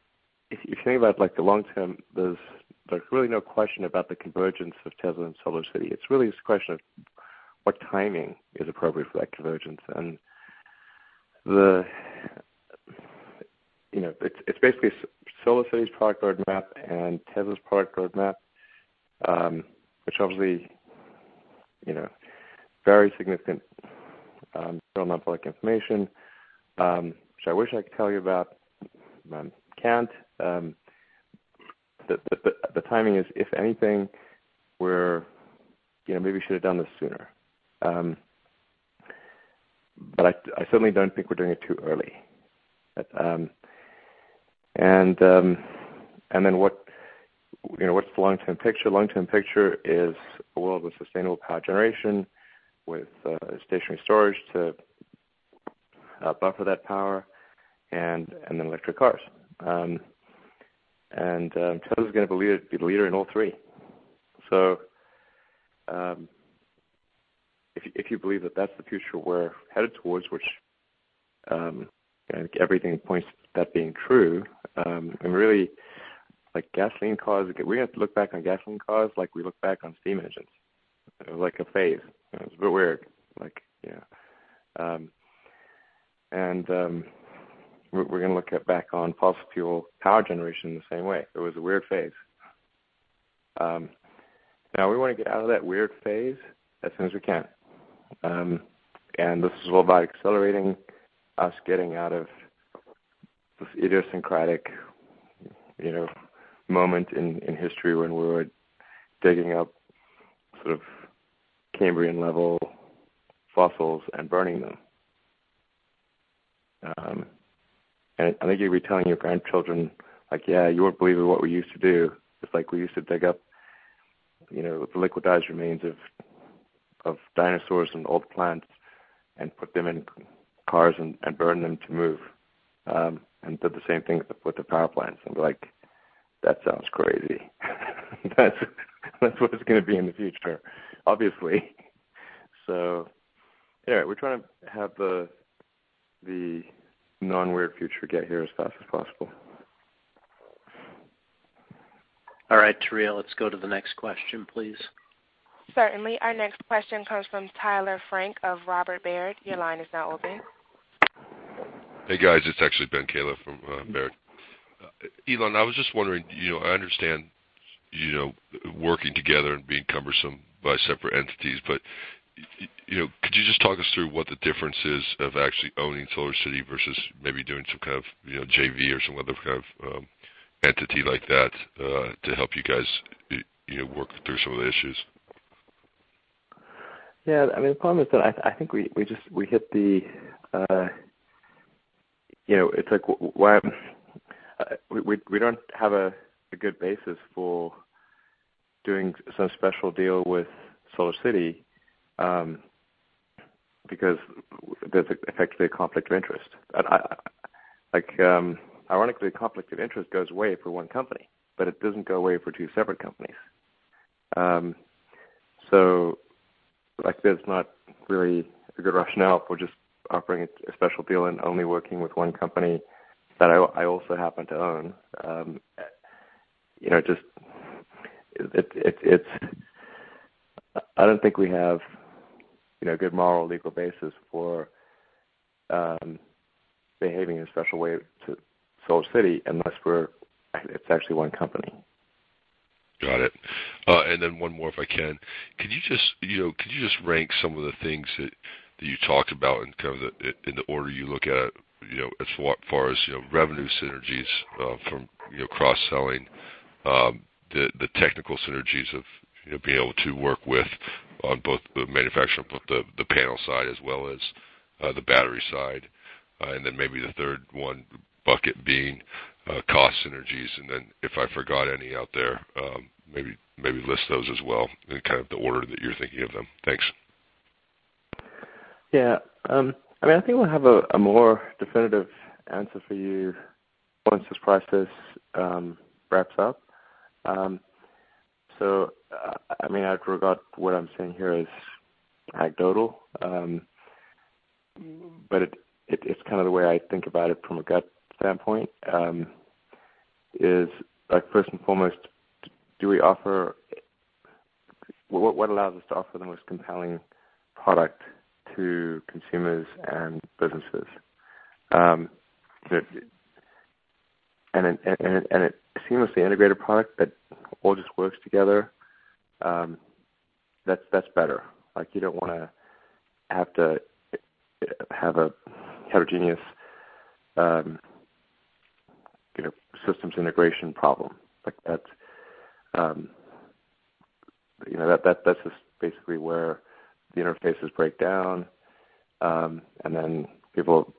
if you think about like the long term, there's really no question about the convergence of Tesla and SolarCity. It's really just a question of what timing is appropriate for that convergence. You know, it's basically SolarCity's product roadmap and Tesla's product roadmap, which obviously, you know, very significant, still non-public information, which I wish I could tell you about, can't. The timing is, if anything, you know, maybe we should have done this sooner. I certainly don't think we're doing it too early. What, you know, what's the long-term picture? Long-term picture is a world with sustainable power generation, with stationary storage to buffer that power and then electric cars. Tesla's gonna be the leader in all three. If you, if you believe that that's the future we're headed towards, which, you know, everything points to that being true, and really like gasoline cars, we're gonna have to look back on gasoline cars like we look back on steam engines. It was like a phase. It was a bit weird. Like, yeah. We're gonna look at back on fossil fuel power generation in the same way. It was a weird phase. Now we wanna get out of that weird phase as soon as we can. This is all about accelerating us getting out of this idiosyncratic, you know, moment in history when we were digging up sort of Cambrian-level fossils and burning them. I think you'll be telling your grandchildren like, "Yeah, you won't believe what we used to do. It's like we used to dig up, you know, the liquidized remains of dinosaurs and old plants and put them in cars and burn them to move. Did the same thing with the power plants." Be like, "That sounds crazy." That's what it's gonna be in the future, obviously. Yeah, we're trying to have the non-weird future get here as fast as possible. All right, Turiya, let's go to the next question, please. Certainly. Our next question comes from Tyler Frank of Robert Baird. Your line is now open. Hey, guys, it's actually Ben Kallo from Baird. Elon, I was just wondering, you know, I understand, you know, working together and being cumbersome by separate entities, but you know, could you just talk us through what the difference is of actually owning SolarCity versus maybe doing some kind of, you know, JV or some other kind of entity like that, to help you guys, you know, work through some of the issues? Yeah, I mean, the problem is that I think we just, we hit the You know, it's like why We don't have a good basis for doing some special deal with SolarCity, because that's effectively a conflict of interest. I Like, ironically, a conflict of interest goes away for one company, but it doesn't go away for two separate companies. Like there's not really a good rationale for just offering a special deal and only working with one company that I also happen to own. You know, just it's I don't think we have, you know, a good moral or legal basis for behaving in a special way to SolarCity unless we're it's actually one company. Got it. Then one more, if I can. Could you just, you know, could you just rank some of the things that you talked about in kind of the order you look at, you know, as far as, you know, revenue synergies from, you know, cross-selling, the technical synergies of, you know, being able to work with on both the manufacturing, both the panel side as well as the battery side. Then maybe the third one bucket being cost synergies. If I forgot any out there, maybe list those as well in kind of the order that you're thinking of them. Thanks. Yeah. I mean, I think we'll have a more definitive answer for you once this process wraps up. I mean, I've forgot what I'm saying here is anecdotal. It is kind of the way I think about it from a gut standpoint, is like first and foremost, what allows us to offer the most compelling product to consumers and businesses? That and a seamlessly integrated product that all just works together, that's better. Like, you don't wanna have to have a heterogeneous, you know, systems integration problem. Like that's, you know, that's just basically where the interfaces break down, people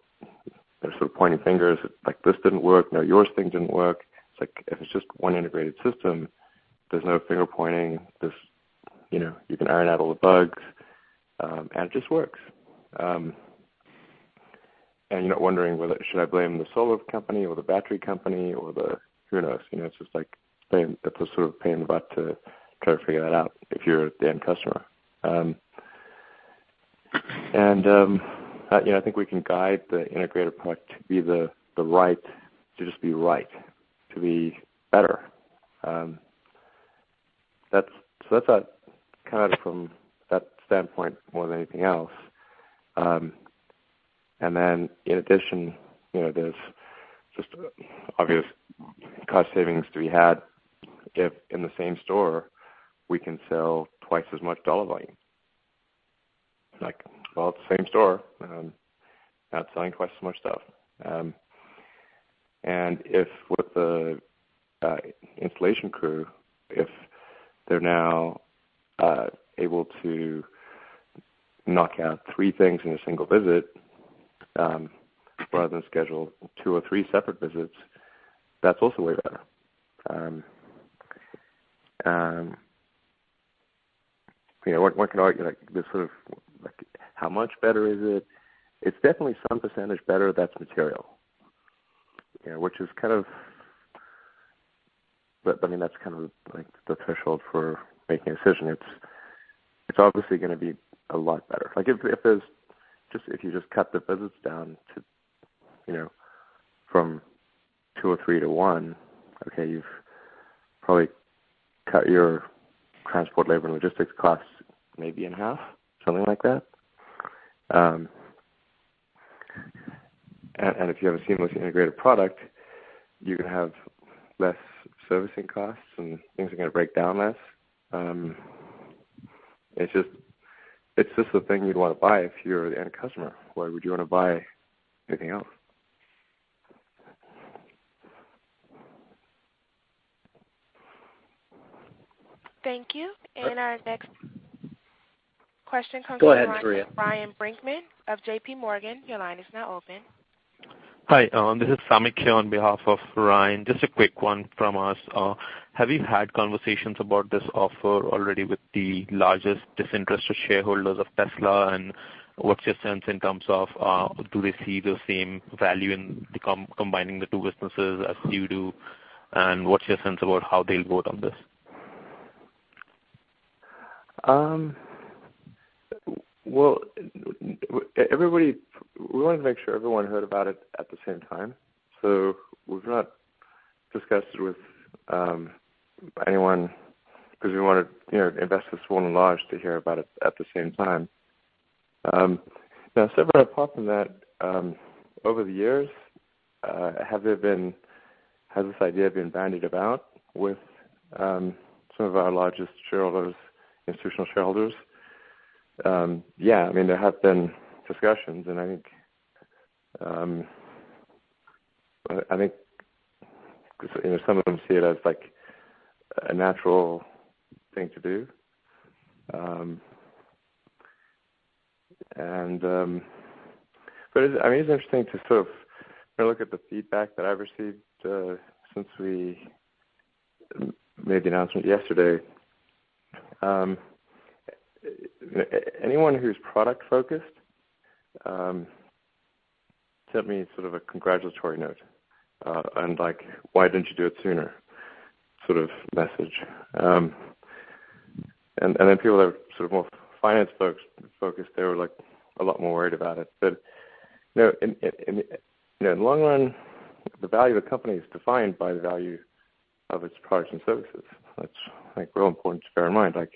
are sort of pointing fingers like, "This didn't work." No, your thing didn't work." It's like if it's just one integrated system, there's no finger-pointing. There's, you know, you can iron out all the bugs, and it just works. You're not wondering whether should I blame the solar company or the battery company or the who knows? You know, it's just like that's a sort of pain in the butt to try to figure that out if you're the end customer. You know, I think we can guide the integrated product to be just right, to be better. That's kind of from that standpoint more than anything else. Then in addition, you know, there's just obvious cost savings to be had if in the same store we can sell twice as much dollar volume. Like, well, it's the same store, now it's selling twice as much stuff. If with the installation crew, if they're now able to knock out three things in a single visit, rather than schedule two or three separate visits, that's also way better. You know, one could argue like this sort of like how much better is it? It's definitely some percentage better that's material. You know, which is kind of I mean, that's kind of like the threshold for making a decision. It's obviously gonna be a lot better. Like if you just cut the visits down to, you know, from two or 3:1, okay, you've probably cut your transport, labor, and logistics costs maybe in half, something like that. If you have a seamlessly integrated product, you can have less servicing costs, and things are gonna break down less. It's just the thing you'd wanna buy if you're the end customer. Why would you wanna buy anything else? Thank you. Our next question comes from- Go ahead, Turiya. Ryan Brinkman of JPMorgan. Your line is now open. Hi, this is Samik here on behalf of Ryan. Just a quick one from us. Have you had conversations about this offer already with the largest disinterested shareholders of Tesla? What's your sense in terms of, do they see the same value in combining the two businesses as you do? What's your sense about how they'll vote on this? Well, we wanted to make sure everyone heard about it at the same time, so we've not discussed it with anyone because we wanted, you know, investors far and large to hear about it at the same time. Now, separate apart from that, over the years, has this idea been bandied about with some of our largest shareholders, institutional shareholders? Yeah, I mean, there have been discussions, and I think, 'cause, you know, some of them see it as like a natural thing to do. It's, I mean, it's interesting to sort of, you know, look at the feedback that I've received since we made the announcement yesterday. Anyone who's product-focused sent me sort of a congratulatory note, and like, "Why didn't you do it sooner?" sort of message. Then people that are sort of more finance focused, they were like a lot more worried about it. You know, in the long run, the value of the company is defined by the value of its products and services. That's, I think, real important to bear in mind. Like,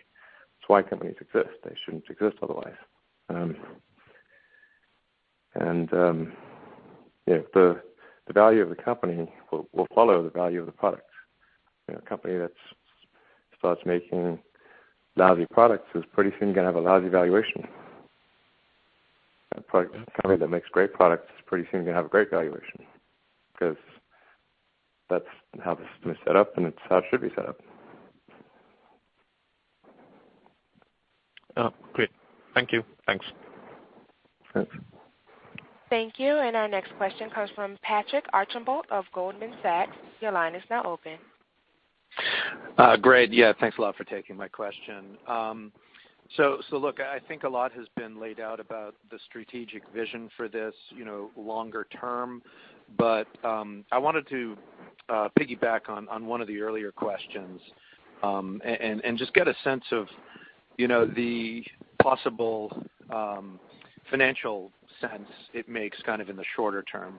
it's why companies exist. They shouldn't exist otherwise. You know, the value of the company will follow the value of the product. You know, a company that starts making lousy products is pretty soon gonna have a lousy valuation. A product, a company that makes great products is pretty soon gonna have a great valuation because that's how this is gonna be set up, and it's how it should be set up. Oh, great. Thank you. Thanks. Thanks. Thank you. Our next question comes from Patrick Archambault of Goldman Sachs. Your line is now open. Great. Yeah. Thanks a lot for taking my question. Look, I think a lot has been laid out about the strategic vision for this, you know, longer term. I wanted to piggyback on one of the earlier questions and just get a sense of, you know, the possible financial sense it makes kind of in the shorter term.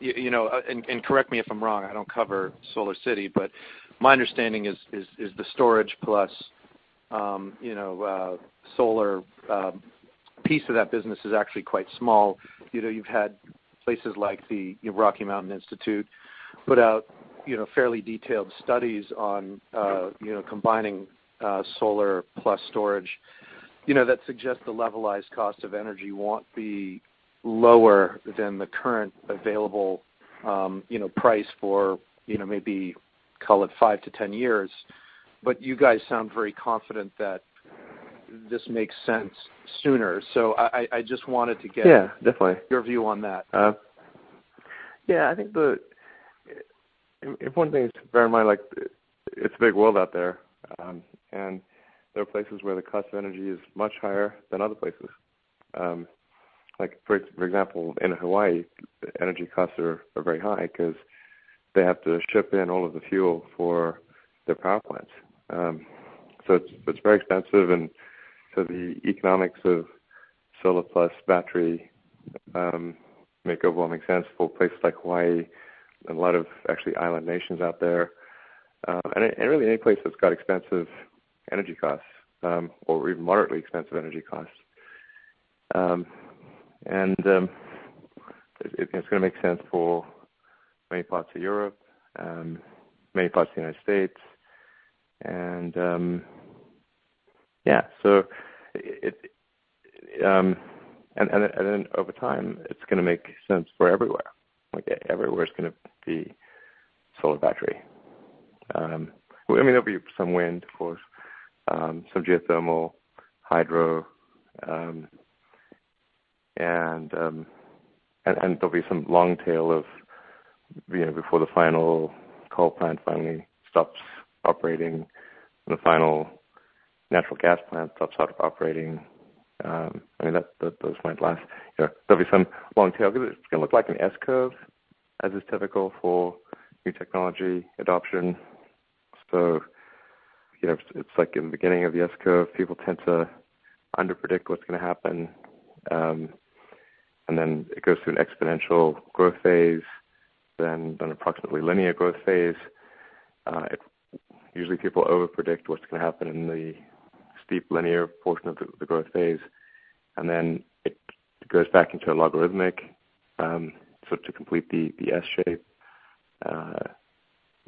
You know, and correct me if I'm wrong, I don't cover SolarCity, but my understanding is the storage plus, you know, solar piece of that business is actually quite small. You know, you've had places like the, you know, Rocky Mountain Institute put out, you know, fairly detailed studies on, you know, combining solar plus storage. You know, that suggests the levelized cost of energy won't be lower than the current available, you know, price for, you know, maybe call it 5-10 years. You guys sound very confident that this makes sense sooner. I just wanted to get. Yeah, definitely. -your view on that. Yeah, I think the important thing is to bear in mind, like, it's a big world out there. There are places where the cost of energy is much higher than other places. Like for example, in Hawaii, energy costs are very high 'cause they have to ship in all of the fuel for their power plants. So it's very expensive and the economics of solar plus battery make overwhelming sense for places like Hawaii and a lot of actually island nations out there. And really any place that's got expensive energy costs, or even moderately expensive energy costs. It's gonna make sense for many parts of Europe and many parts of the United States. Yeah, then over time it's gonna make sense for everywhere. Like everywhere is gonna be solar battery. Well, I mean, there'll be some wind of course, some geothermal, hydro. And there'll be some long tail of, you know, before the final coal plant finally stops operating and the final natural gas plant stops out of operating. I mean, those might last. You know, there'll be some long tail 'cause it's gonna look like an S-curve as is typical for new technology adoption. You know, it's like in the beginning of the S-curve, people tend to under predict what's gonna happen. Then it goes through an exponential growth phase then approximately linear growth phase. Usually people over predict what's gonna happen in the steep linear portion of the growth phase, then it goes back into a logarithmic to complete the S-shape.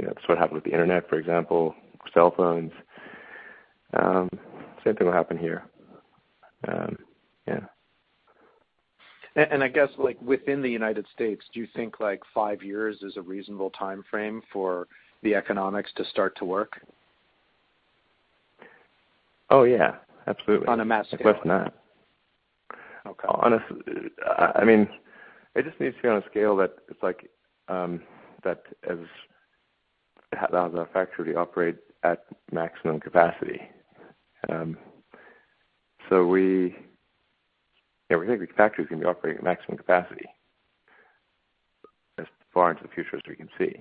You know, that's what happened with the internet, for example, cell phones. Same thing will happen here. Yeah. I guess like within the U.S., do you think like five years is a reasonable timeframe for the economics to start to work? Oh, yeah. Absolutely. On a mass scale. If not less than that. Okay. I mean, it just needs to be on a scale that it's like, that as our factory operates at maximum capacity. We think the factory is gonna be operating at maximum capacity as far into the future as we can see.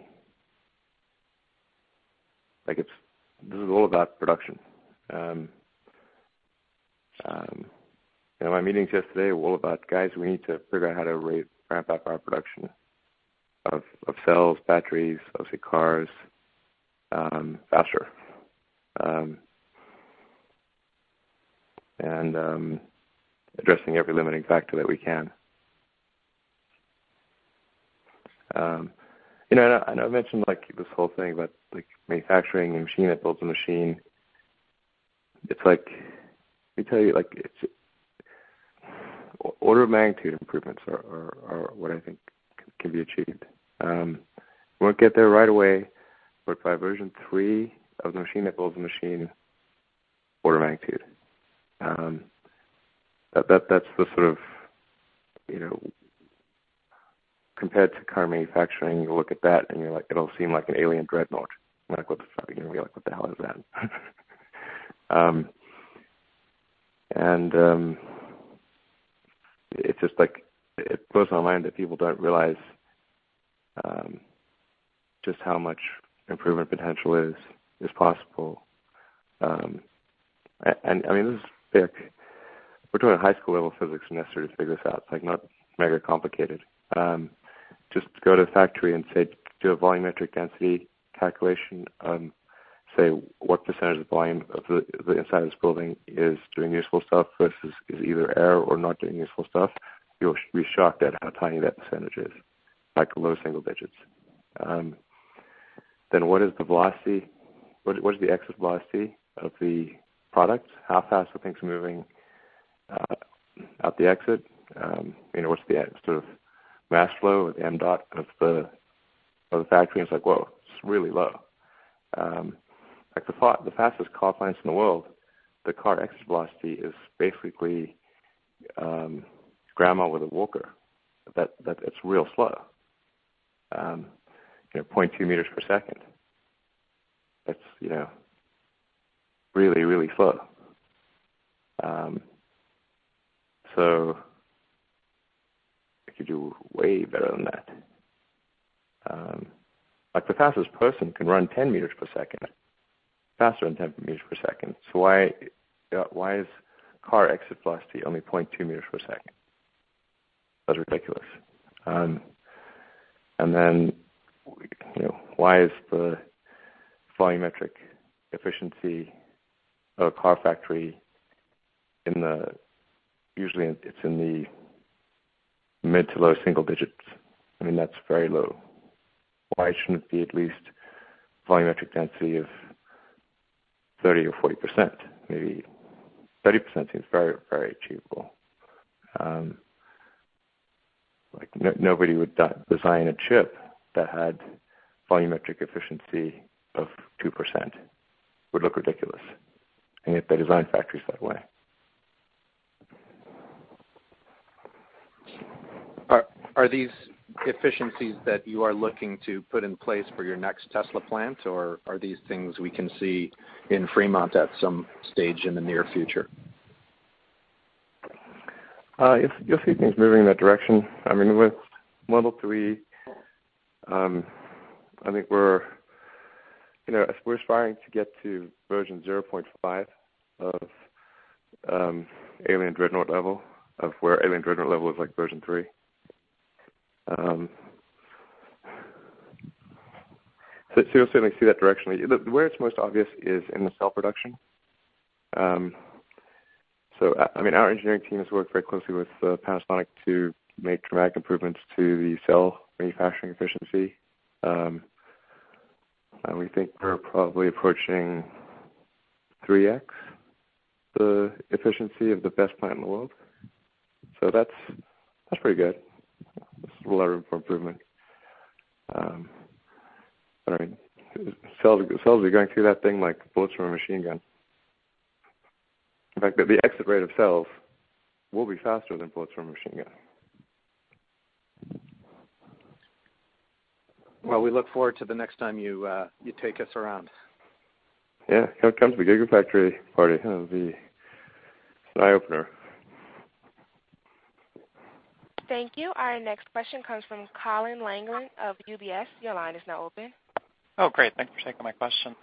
Like, this is all about production. You know, my meetings yesterday were all about, "Guys, we need to figure out how to ramp up our production of cells, batteries, obviously cars, faster." And addressing every limiting factor that we can. You know, and I mentioned like this whole thing about like manufacturing the machine that builds the machine. It's like, let me tell you, like, order of magnitude improvements are what I think can be achieved. Won't get there right away, but by version three of the machine that builds the machine, order of magnitude. That, that's the sort of, you know, compared to car manufacturing, you look at that and you're like, it'll seem like an Alien Dreadnought. Like, what the fuck? You're gonna be like, "What the hell is that?" And, it's just like, it blows my mind that people don't realize just how much improvement potential is possible. And I mean, this is like we're doing high school level physics necessary to figure this out. It's like not mega complicated. Just go to the factory and say, do a volumetric density calculation on say, what percentage of the volume of the inside of this building is doing useful stuff versus is either air or not doing useful stuff. You'll be shocked at how tiny that percentage is, like low single digits. What is the velocity? What is the exit velocity of the product? How fast are things moving out the exit? You know, what's the sort of mass flow or the mdot of the factory? It's really low. The fastest car plants in the world, the car exit velocity is basically grandma with a walker. It's real slow. You know, 0.2 meters per second. That's, you know, really, really slow. It could do way better than that. The fastest person can run 10 meters per second, faster than 10 meters per second. Why is car exit velocity only 0.2 meters per second? That's ridiculous. you know, why is the volumetric efficiency of a car factory usually it's in the mid to low single digits. I mean, that's very low. Why shouldn't it be at least volumetric density of 30% or 40%? Maybe 30% seems very, very achievable. like nobody would design a chip that had volumetric efficiency of 2%. Would look ridiculous. Yet they design factories that way. Are these efficiencies that you are looking to put in place for your next Tesla plant, or are these things we can see in Fremont at some stage in the near future? You'll see things moving in that direction. With Model 3, I think we're, you know, we're aspiring to get to version 0.5 of Alien Dreadnought level of where Alien Dreadnought level is like version 3. You'll certainly see that directionally. Where it's most obvious is in the cell production. Our engineering team has worked very closely with Panasonic to make dramatic improvements to the cell manufacturing efficiency. We think we're probably approaching 3x the efficiency of the best plant in the world. That's pretty good. There's a lot of room for improvement. Cells are going through that thing like bullets from a machine gun. In fact, the exit rate of cells will be faster than bullets from a machine gun. Well, we look forward to the next time you take us around. Yeah. Come, come to the Gigafactory party. It'll be an eye-opener. Thank you. Our next question comes from Colin Langan of UBS. Your line is now open. Oh, great. Thanks for taking my question.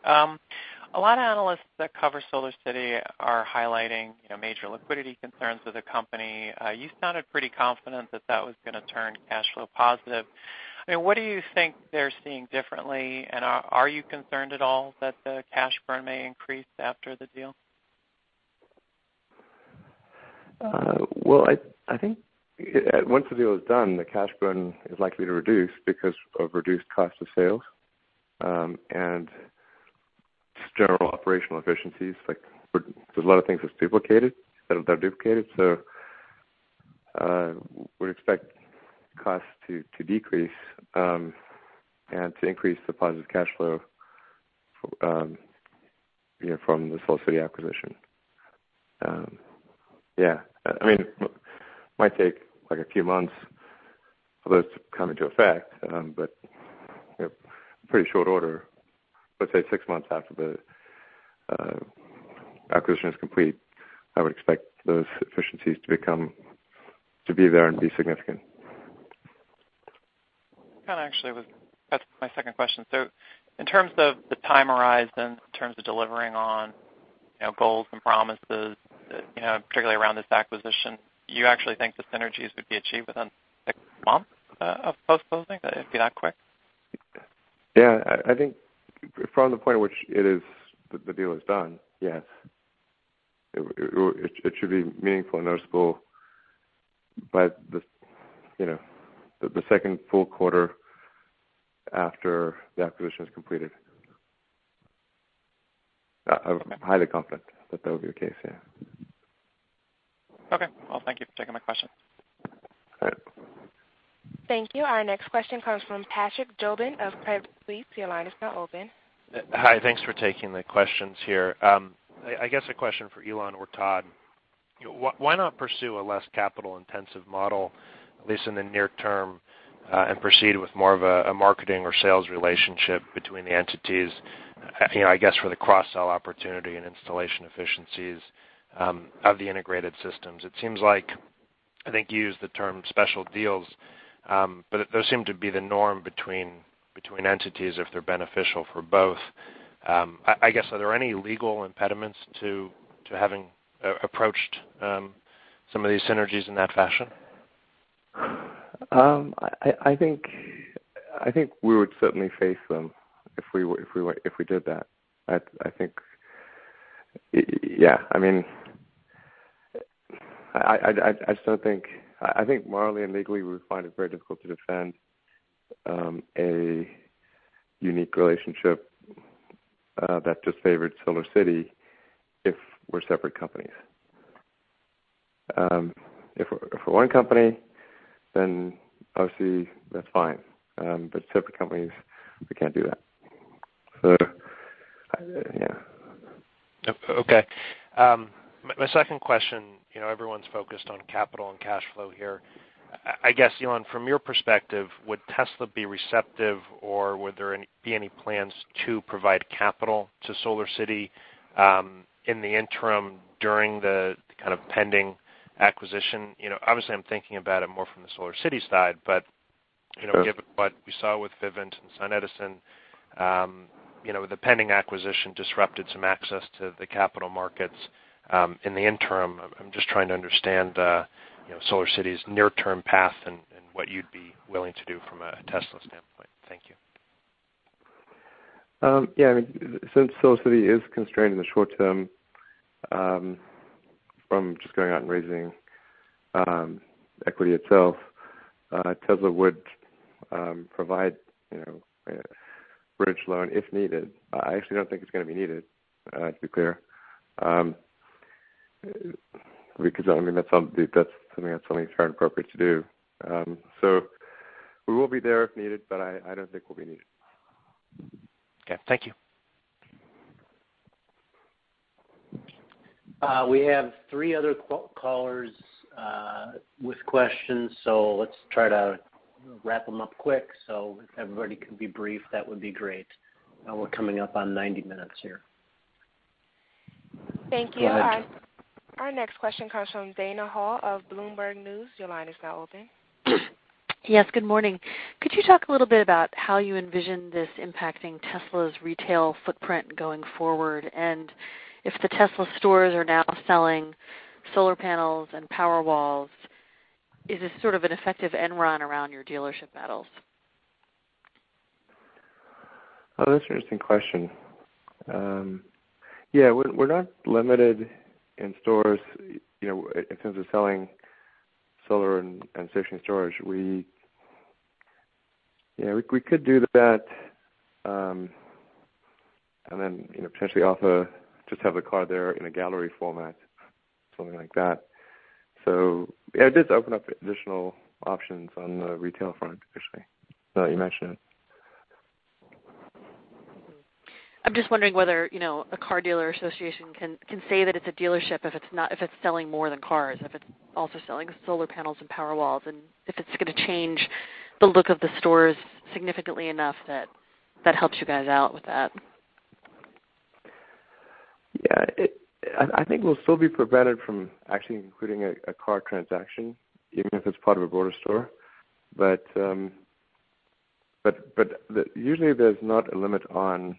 A lot of analysts that cover SolarCity are highlighting, you know, major liquidity concerns with the company. You sounded pretty confident that that was gonna turn cash flow positive. I mean, what do you think they're seeing differently, and are you concerned at all that the cash burn may increase after the deal? Well, I think once the deal is done, the cash burn is likely to reduce because of reduced cost of sales and just general operational efficiencies. Like there's a lot of things that are duplicated. We expect costs to decrease and to increase the positive cash flow, you know, from the SolarCity acquisition. Yeah, I mean, might take like a few months for those to come into effect, but, you know, pretty short order. Let's say six months after the acquisition is complete, I would expect those efficiencies to be there and be significant. That's my second question. In terms of the time horizon, in terms of delivering on, you know, goals and promises, you know, particularly around this acquisition, you actually think the synergies would be achieved within six months of post-closing? It'd be that quick? Yeah. I think from the point at which it is, the deal is done, yes. It should be meaningful and noticeable by the, you know, the second full quarter after the acquisition is completed. I'm highly confident that that will be the case, yeah. Okay. Well, thank you for taking my question. Thank you. Our next question comes from Patrick Jobin of Credit Suisse. Your line is now open. Hi. Thanks for taking the questions here. I guess a question for Elon or Todd. Why not pursue a less capital-intensive model, at least in the near term, and proceed with more of a marketing or sales relationship between the entities, you know, I guess for the cross-sell opportunity and installation efficiencies of the integrated systems? It seems like, I think you used the term special deals, but those seem to be the norm between entities if they're beneficial for both. I guess, are there any legal impediments to having approached some of these synergies in that fashion? I think we would certainly face them if we were if we did that. I think, yeah, I mean, I still think morally and legally, we would find it very difficult to defend a unique relationship that just favored SolarCity if we're separate companies. If we're one company, obviously that's fine. Separate companies, we can't do that. Yeah. Okay. My second question, you know, everyone's focused on capital and cash flow here. I guess, Elon, from your perspective, would Tesla be receptive or would there be any plans to provide capital to SolarCity in the interim during the kind of pending acquisition? You know, obviously I'm thinking about it more from the SolarCity side. Sure You know, given what we saw with Vivint and SunEdison, you know, the pending acquisition disrupted some access to the capital markets, in the interim. I'm just trying to understand, you know, SolarCity's near-term path and what you'd be willing to do from a Tesla standpoint. Thank you. Yeah, I mean, since SolarCity is constrained in the short term, from just going out and raising equity itself, Tesla would provide, you know, a bridge loan if needed. I actually don't think it's gonna be needed, to be clear, because I mean, that's something that's certainly appropriate to do. We will be there if needed, but I don't think we'll be needed. Okay. Thank you. We have three other callers, with questions. Let's try to wrap them up quick. If everybody could be brief, that would be great. We're coming up on 90 minutes here. Thank you. Go ahead. Our next question comes from Dana Hull of Bloomberg News. Yes, good morning. Could you talk a little bit about how you envision this impacting Tesla's retail footprint going forward? If the Tesla stores are now selling solar panels and Powerwalls, is this sort of an effective end run around your dealership models? Well, that's an interesting question. Yeah, we're not limited in stores, you know, in terms of selling solar and station storage. Yeah, we could do that, and then, you know, potentially just have the car there in a gallery format, something like that. Yeah, it does open up additional options on the retail front, actually, now that you mention it. I'm just wondering whether, you know, a car dealer association can say that it's a dealership if it's selling more than cars, if it's also selling solar panels and Powerwalls, and if it's gonna change the look of the stores significantly enough that that helps you guys out with that. Yeah. I think we'll still be prevented from actually including a car transaction, even if it's part of a broader store. usually there's not a limit on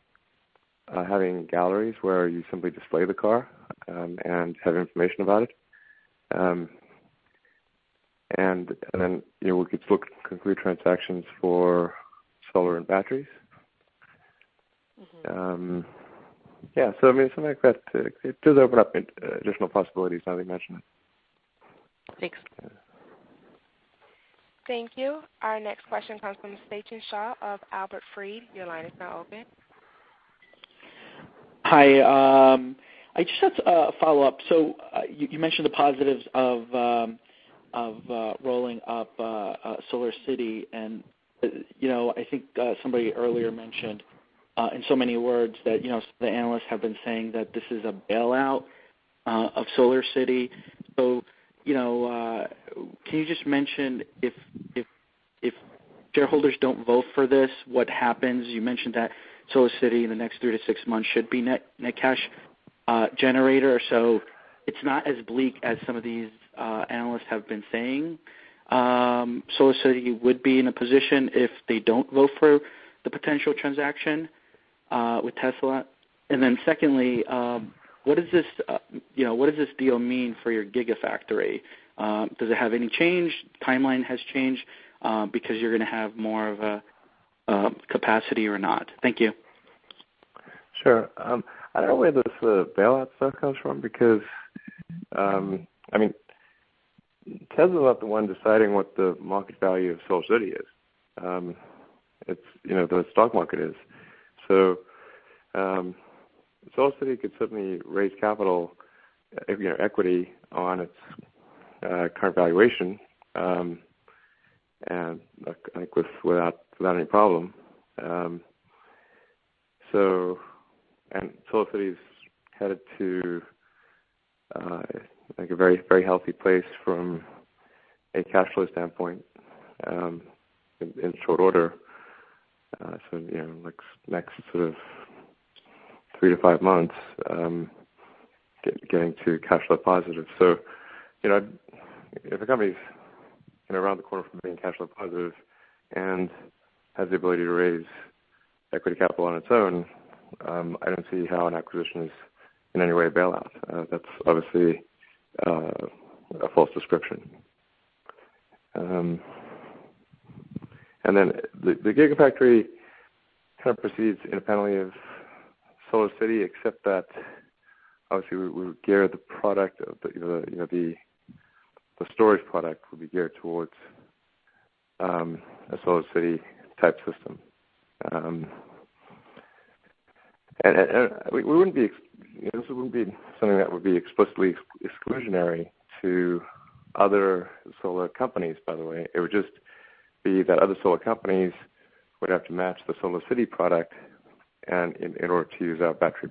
having galleries where you simply display the car and have information about it. Then, you know, we could look to complete transactions for solar and batteries. I mean, something like that, it does open up additional possibilities now that you mention it. Thanks. Yeah. Thank you. Our next question comes from Sachin Shah of Albert Fried. Hi. I just had to follow up. You mentioned the positives of rolling up SolarCity. You know, I think somebody earlier mentioned in so many words that, you know, the analysts have been saying that this is a bailout of SolarCity. You know, can you just mention if shareholders don't vote for this, what happens? You mentioned that SolarCity in the next 3-6 months should be net cash generator. It's not as bleak as some of these analysts have been saying. SolarCity would be in a position if they don't vote for the potential transaction with Tesla. Secondly, you know, what does this deal mean for your Gigafactory? Does it have any change, timeline has changed, because you're gonna have more of a capacity or not? Thank you. Sure. I don't know where this bailout stuff comes from because, I mean, Tesla's not the one deciding what the market value of SolarCity is. It's, you know, the stock market is. SolarCity could certainly raise capital, you know, equity on its current valuation, and, like, without any problem. SolarCity's headed to, like a very, very healthy place from a cash flow standpoint, in short order. You know, like next sort of 3-5 months, getting to cash flow positive. You know, if a company's, you know, around the corner from being cash flow positive and has the ability to raise equity capital on its own, I don't see how an acquisition is in any way a bailout. That's obviously a false description. The Gigafactory kind of proceeds independently of SolarCity, except that obviously we gear the product, the storage product will be geared towards a SolarCity type system. This wouldn't be something that would be explicitly exclusionary to other solar companies, by the way. It would just be that other solar companies would have to match the SolarCity product in order to use our battery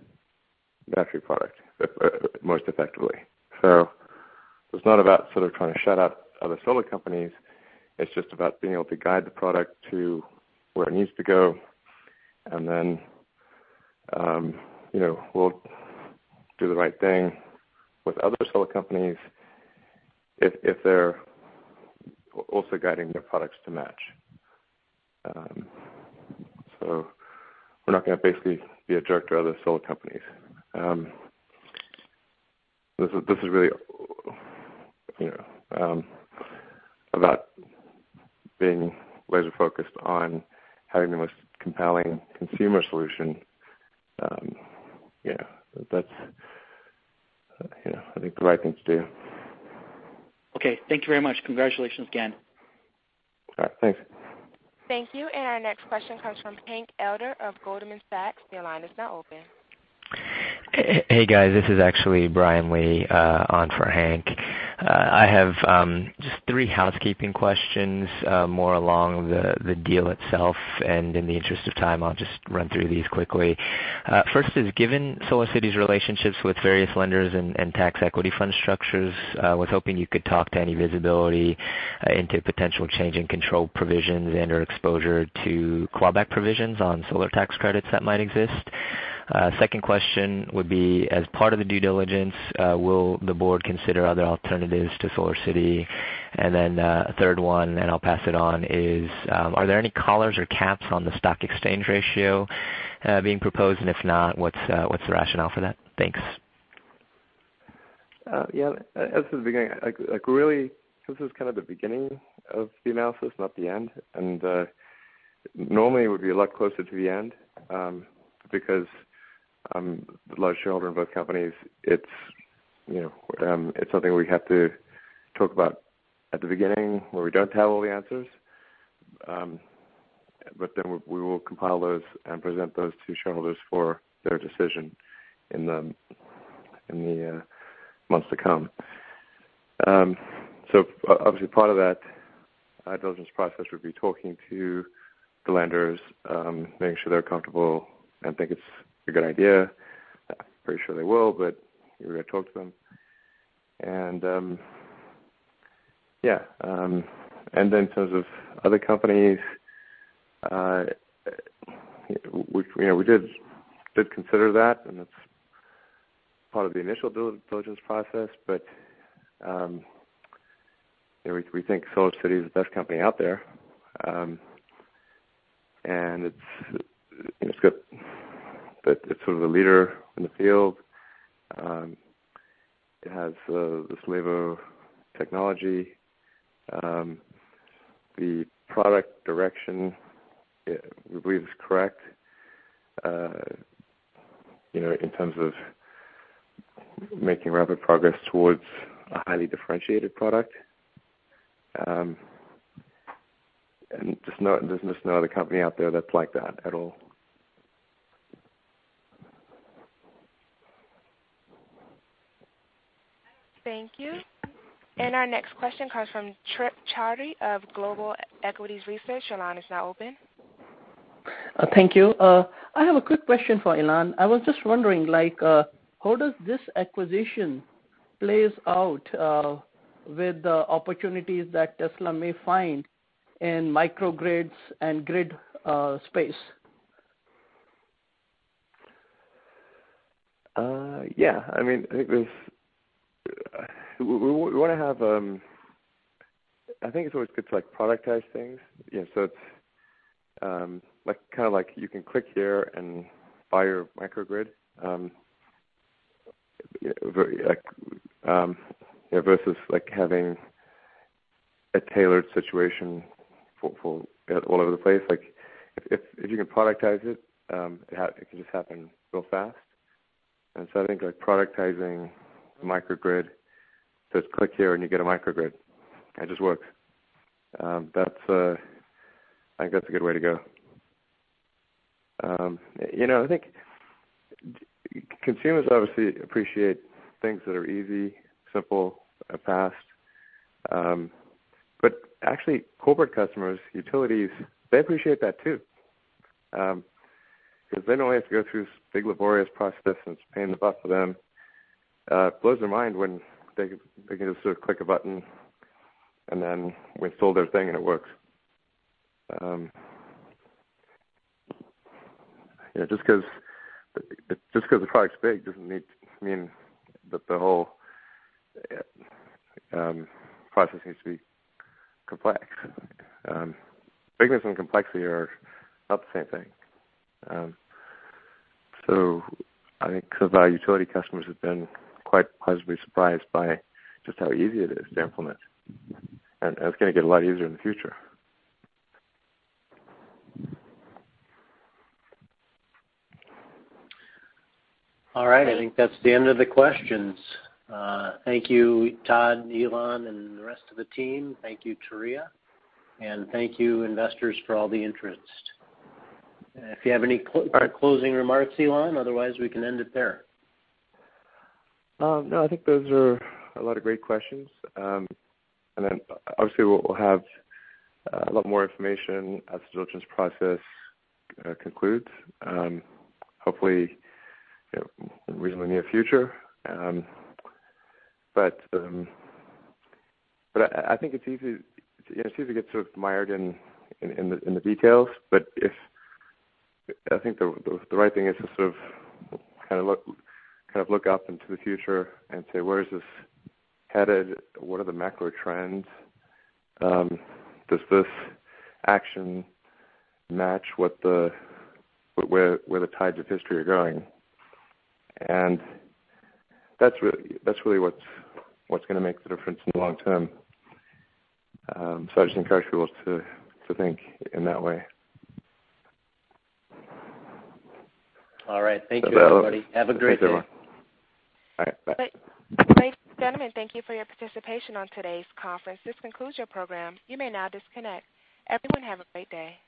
product most effectively. It's not about sort of trying to shut out other solar companies. It's just about being able to guide the product to where it needs to go. We'll do the right thing with other solar companies if they're also guiding their products to match. We're not gonna basically be a jerk to other solar companies. This is really, you know, about being laser-focused on having the most compelling consumer solution. Yeah, that's, you know, I think the right thing to do. Okay. Thank you very much. Congratulations again. All right. Thanks. Thank you. Our next question comes from Hank Elder of Goldman Sachs. Your line is now open. Hey, guys, this is actually Brian Lee, on for Hank. I have just three housekeeping questions, more along the deal itself. In the interest of time, I'll just run through these quickly. First is given SolarCity's relationships with various lenders and tax equity fund structures, I was hoping you could talk to any visibility into potential change in control provisions and/or exposure to clawback provisions on solar tax credits that might exist. Second question would be, as part of the due diligence, will the board consider other alternatives to SolarCity? Third one, and I'll pass it on, is, are there any collars or caps on the stock exchange ratio being proposed? If not, what's the rationale for that? Thanks. Yeah, as to the beginning, really this is kind of the beginning of the analysis, not the end. Normally it would be a lot closer to the end, because a lot of shareholders in both companies, it's, you know, it's something we have to talk about at the beginning where we don't have all the answers. We will compile those and present those to shareholders for their decision in the months to come. Obviously, part of that due diligence process would be talking to the lenders, making sure they're comfortable and think it's a good idea. I'm pretty sure they will, but we're gonna talk to them. Yeah, in terms of other companies, we, you know, we did consider that, and it's part of the initial due diligence process. You know, we think SolarCity is the best company out there. It's sort of a leader in the field. It has the Silevo technology. The product direction, we believe is correct, you know, in terms of making rapid progress towards a highly differentiated product. There's no, there's just no other company out there that's like that at all. Thank you. Our next question comes from Trip Chowdhry of Global Equities Research. Your line is now open. Thank you. I have a quick question for Elon. I was just wondering, how does this acquisition plays out with the opportunities that Tesla may find in microgrids and grid space? Yeah, I mean, I think there's We wanna have, I think it's always good to, like, productize things. You know, so it's, like, kinda like you can click here and buy your microgrid, very like, you know, versus like having a tailored situation for, all over the place. Like, if you can productize it can just happen real fast. I think, like, productizing a microgrid, just click here, and you get a microgrid can just work. That's, I think that's a good way to go. You know, I think consumers obviously appreciate things that are easy, simple, and fast. Actually corporate customers, utilities, they appreciate that too. Because they don't have to go through this big laborious process, and it's a pain in the butt for them. It blows their mind when they can just sort of click a button, we install their thing and it works. You know, just 'cause the product's big doesn't mean that the whole process needs to be complex. Bigness and complexity are not the same thing. I think some of our utility customers have been quite pleasantly surprised by just how easy it is to implement. It's gonna get a lot easier in the future. All right. I think that's the end of the questions. Thank you, Todd, Elon, and the rest of the team. Thank you, Turiya. Thank you, investors, for all the interest. If you have any closing remarks, Elon, otherwise we can end it there. I think those are a lot of great questions. Obviously we'll have a lot more information as the diligence process concludes, hopefully, you know, in the reasonably near future. I think it's easy, you know, it's easy to get sort of mired in the details. I think the right thing is to sort of look up into the future and say: Where is this headed? What are the macro trends? Does this action match where the tides of history are going? That's really what's gonna make the difference in the long term. I just encourage you all to think in that way. All right. Thank you, everybody. So that was- Have a great day. All right. Bye. Gentlemen, thank you for your participation on today's conference. This concludes your program. You may now disconnect. Everyone, have a great day.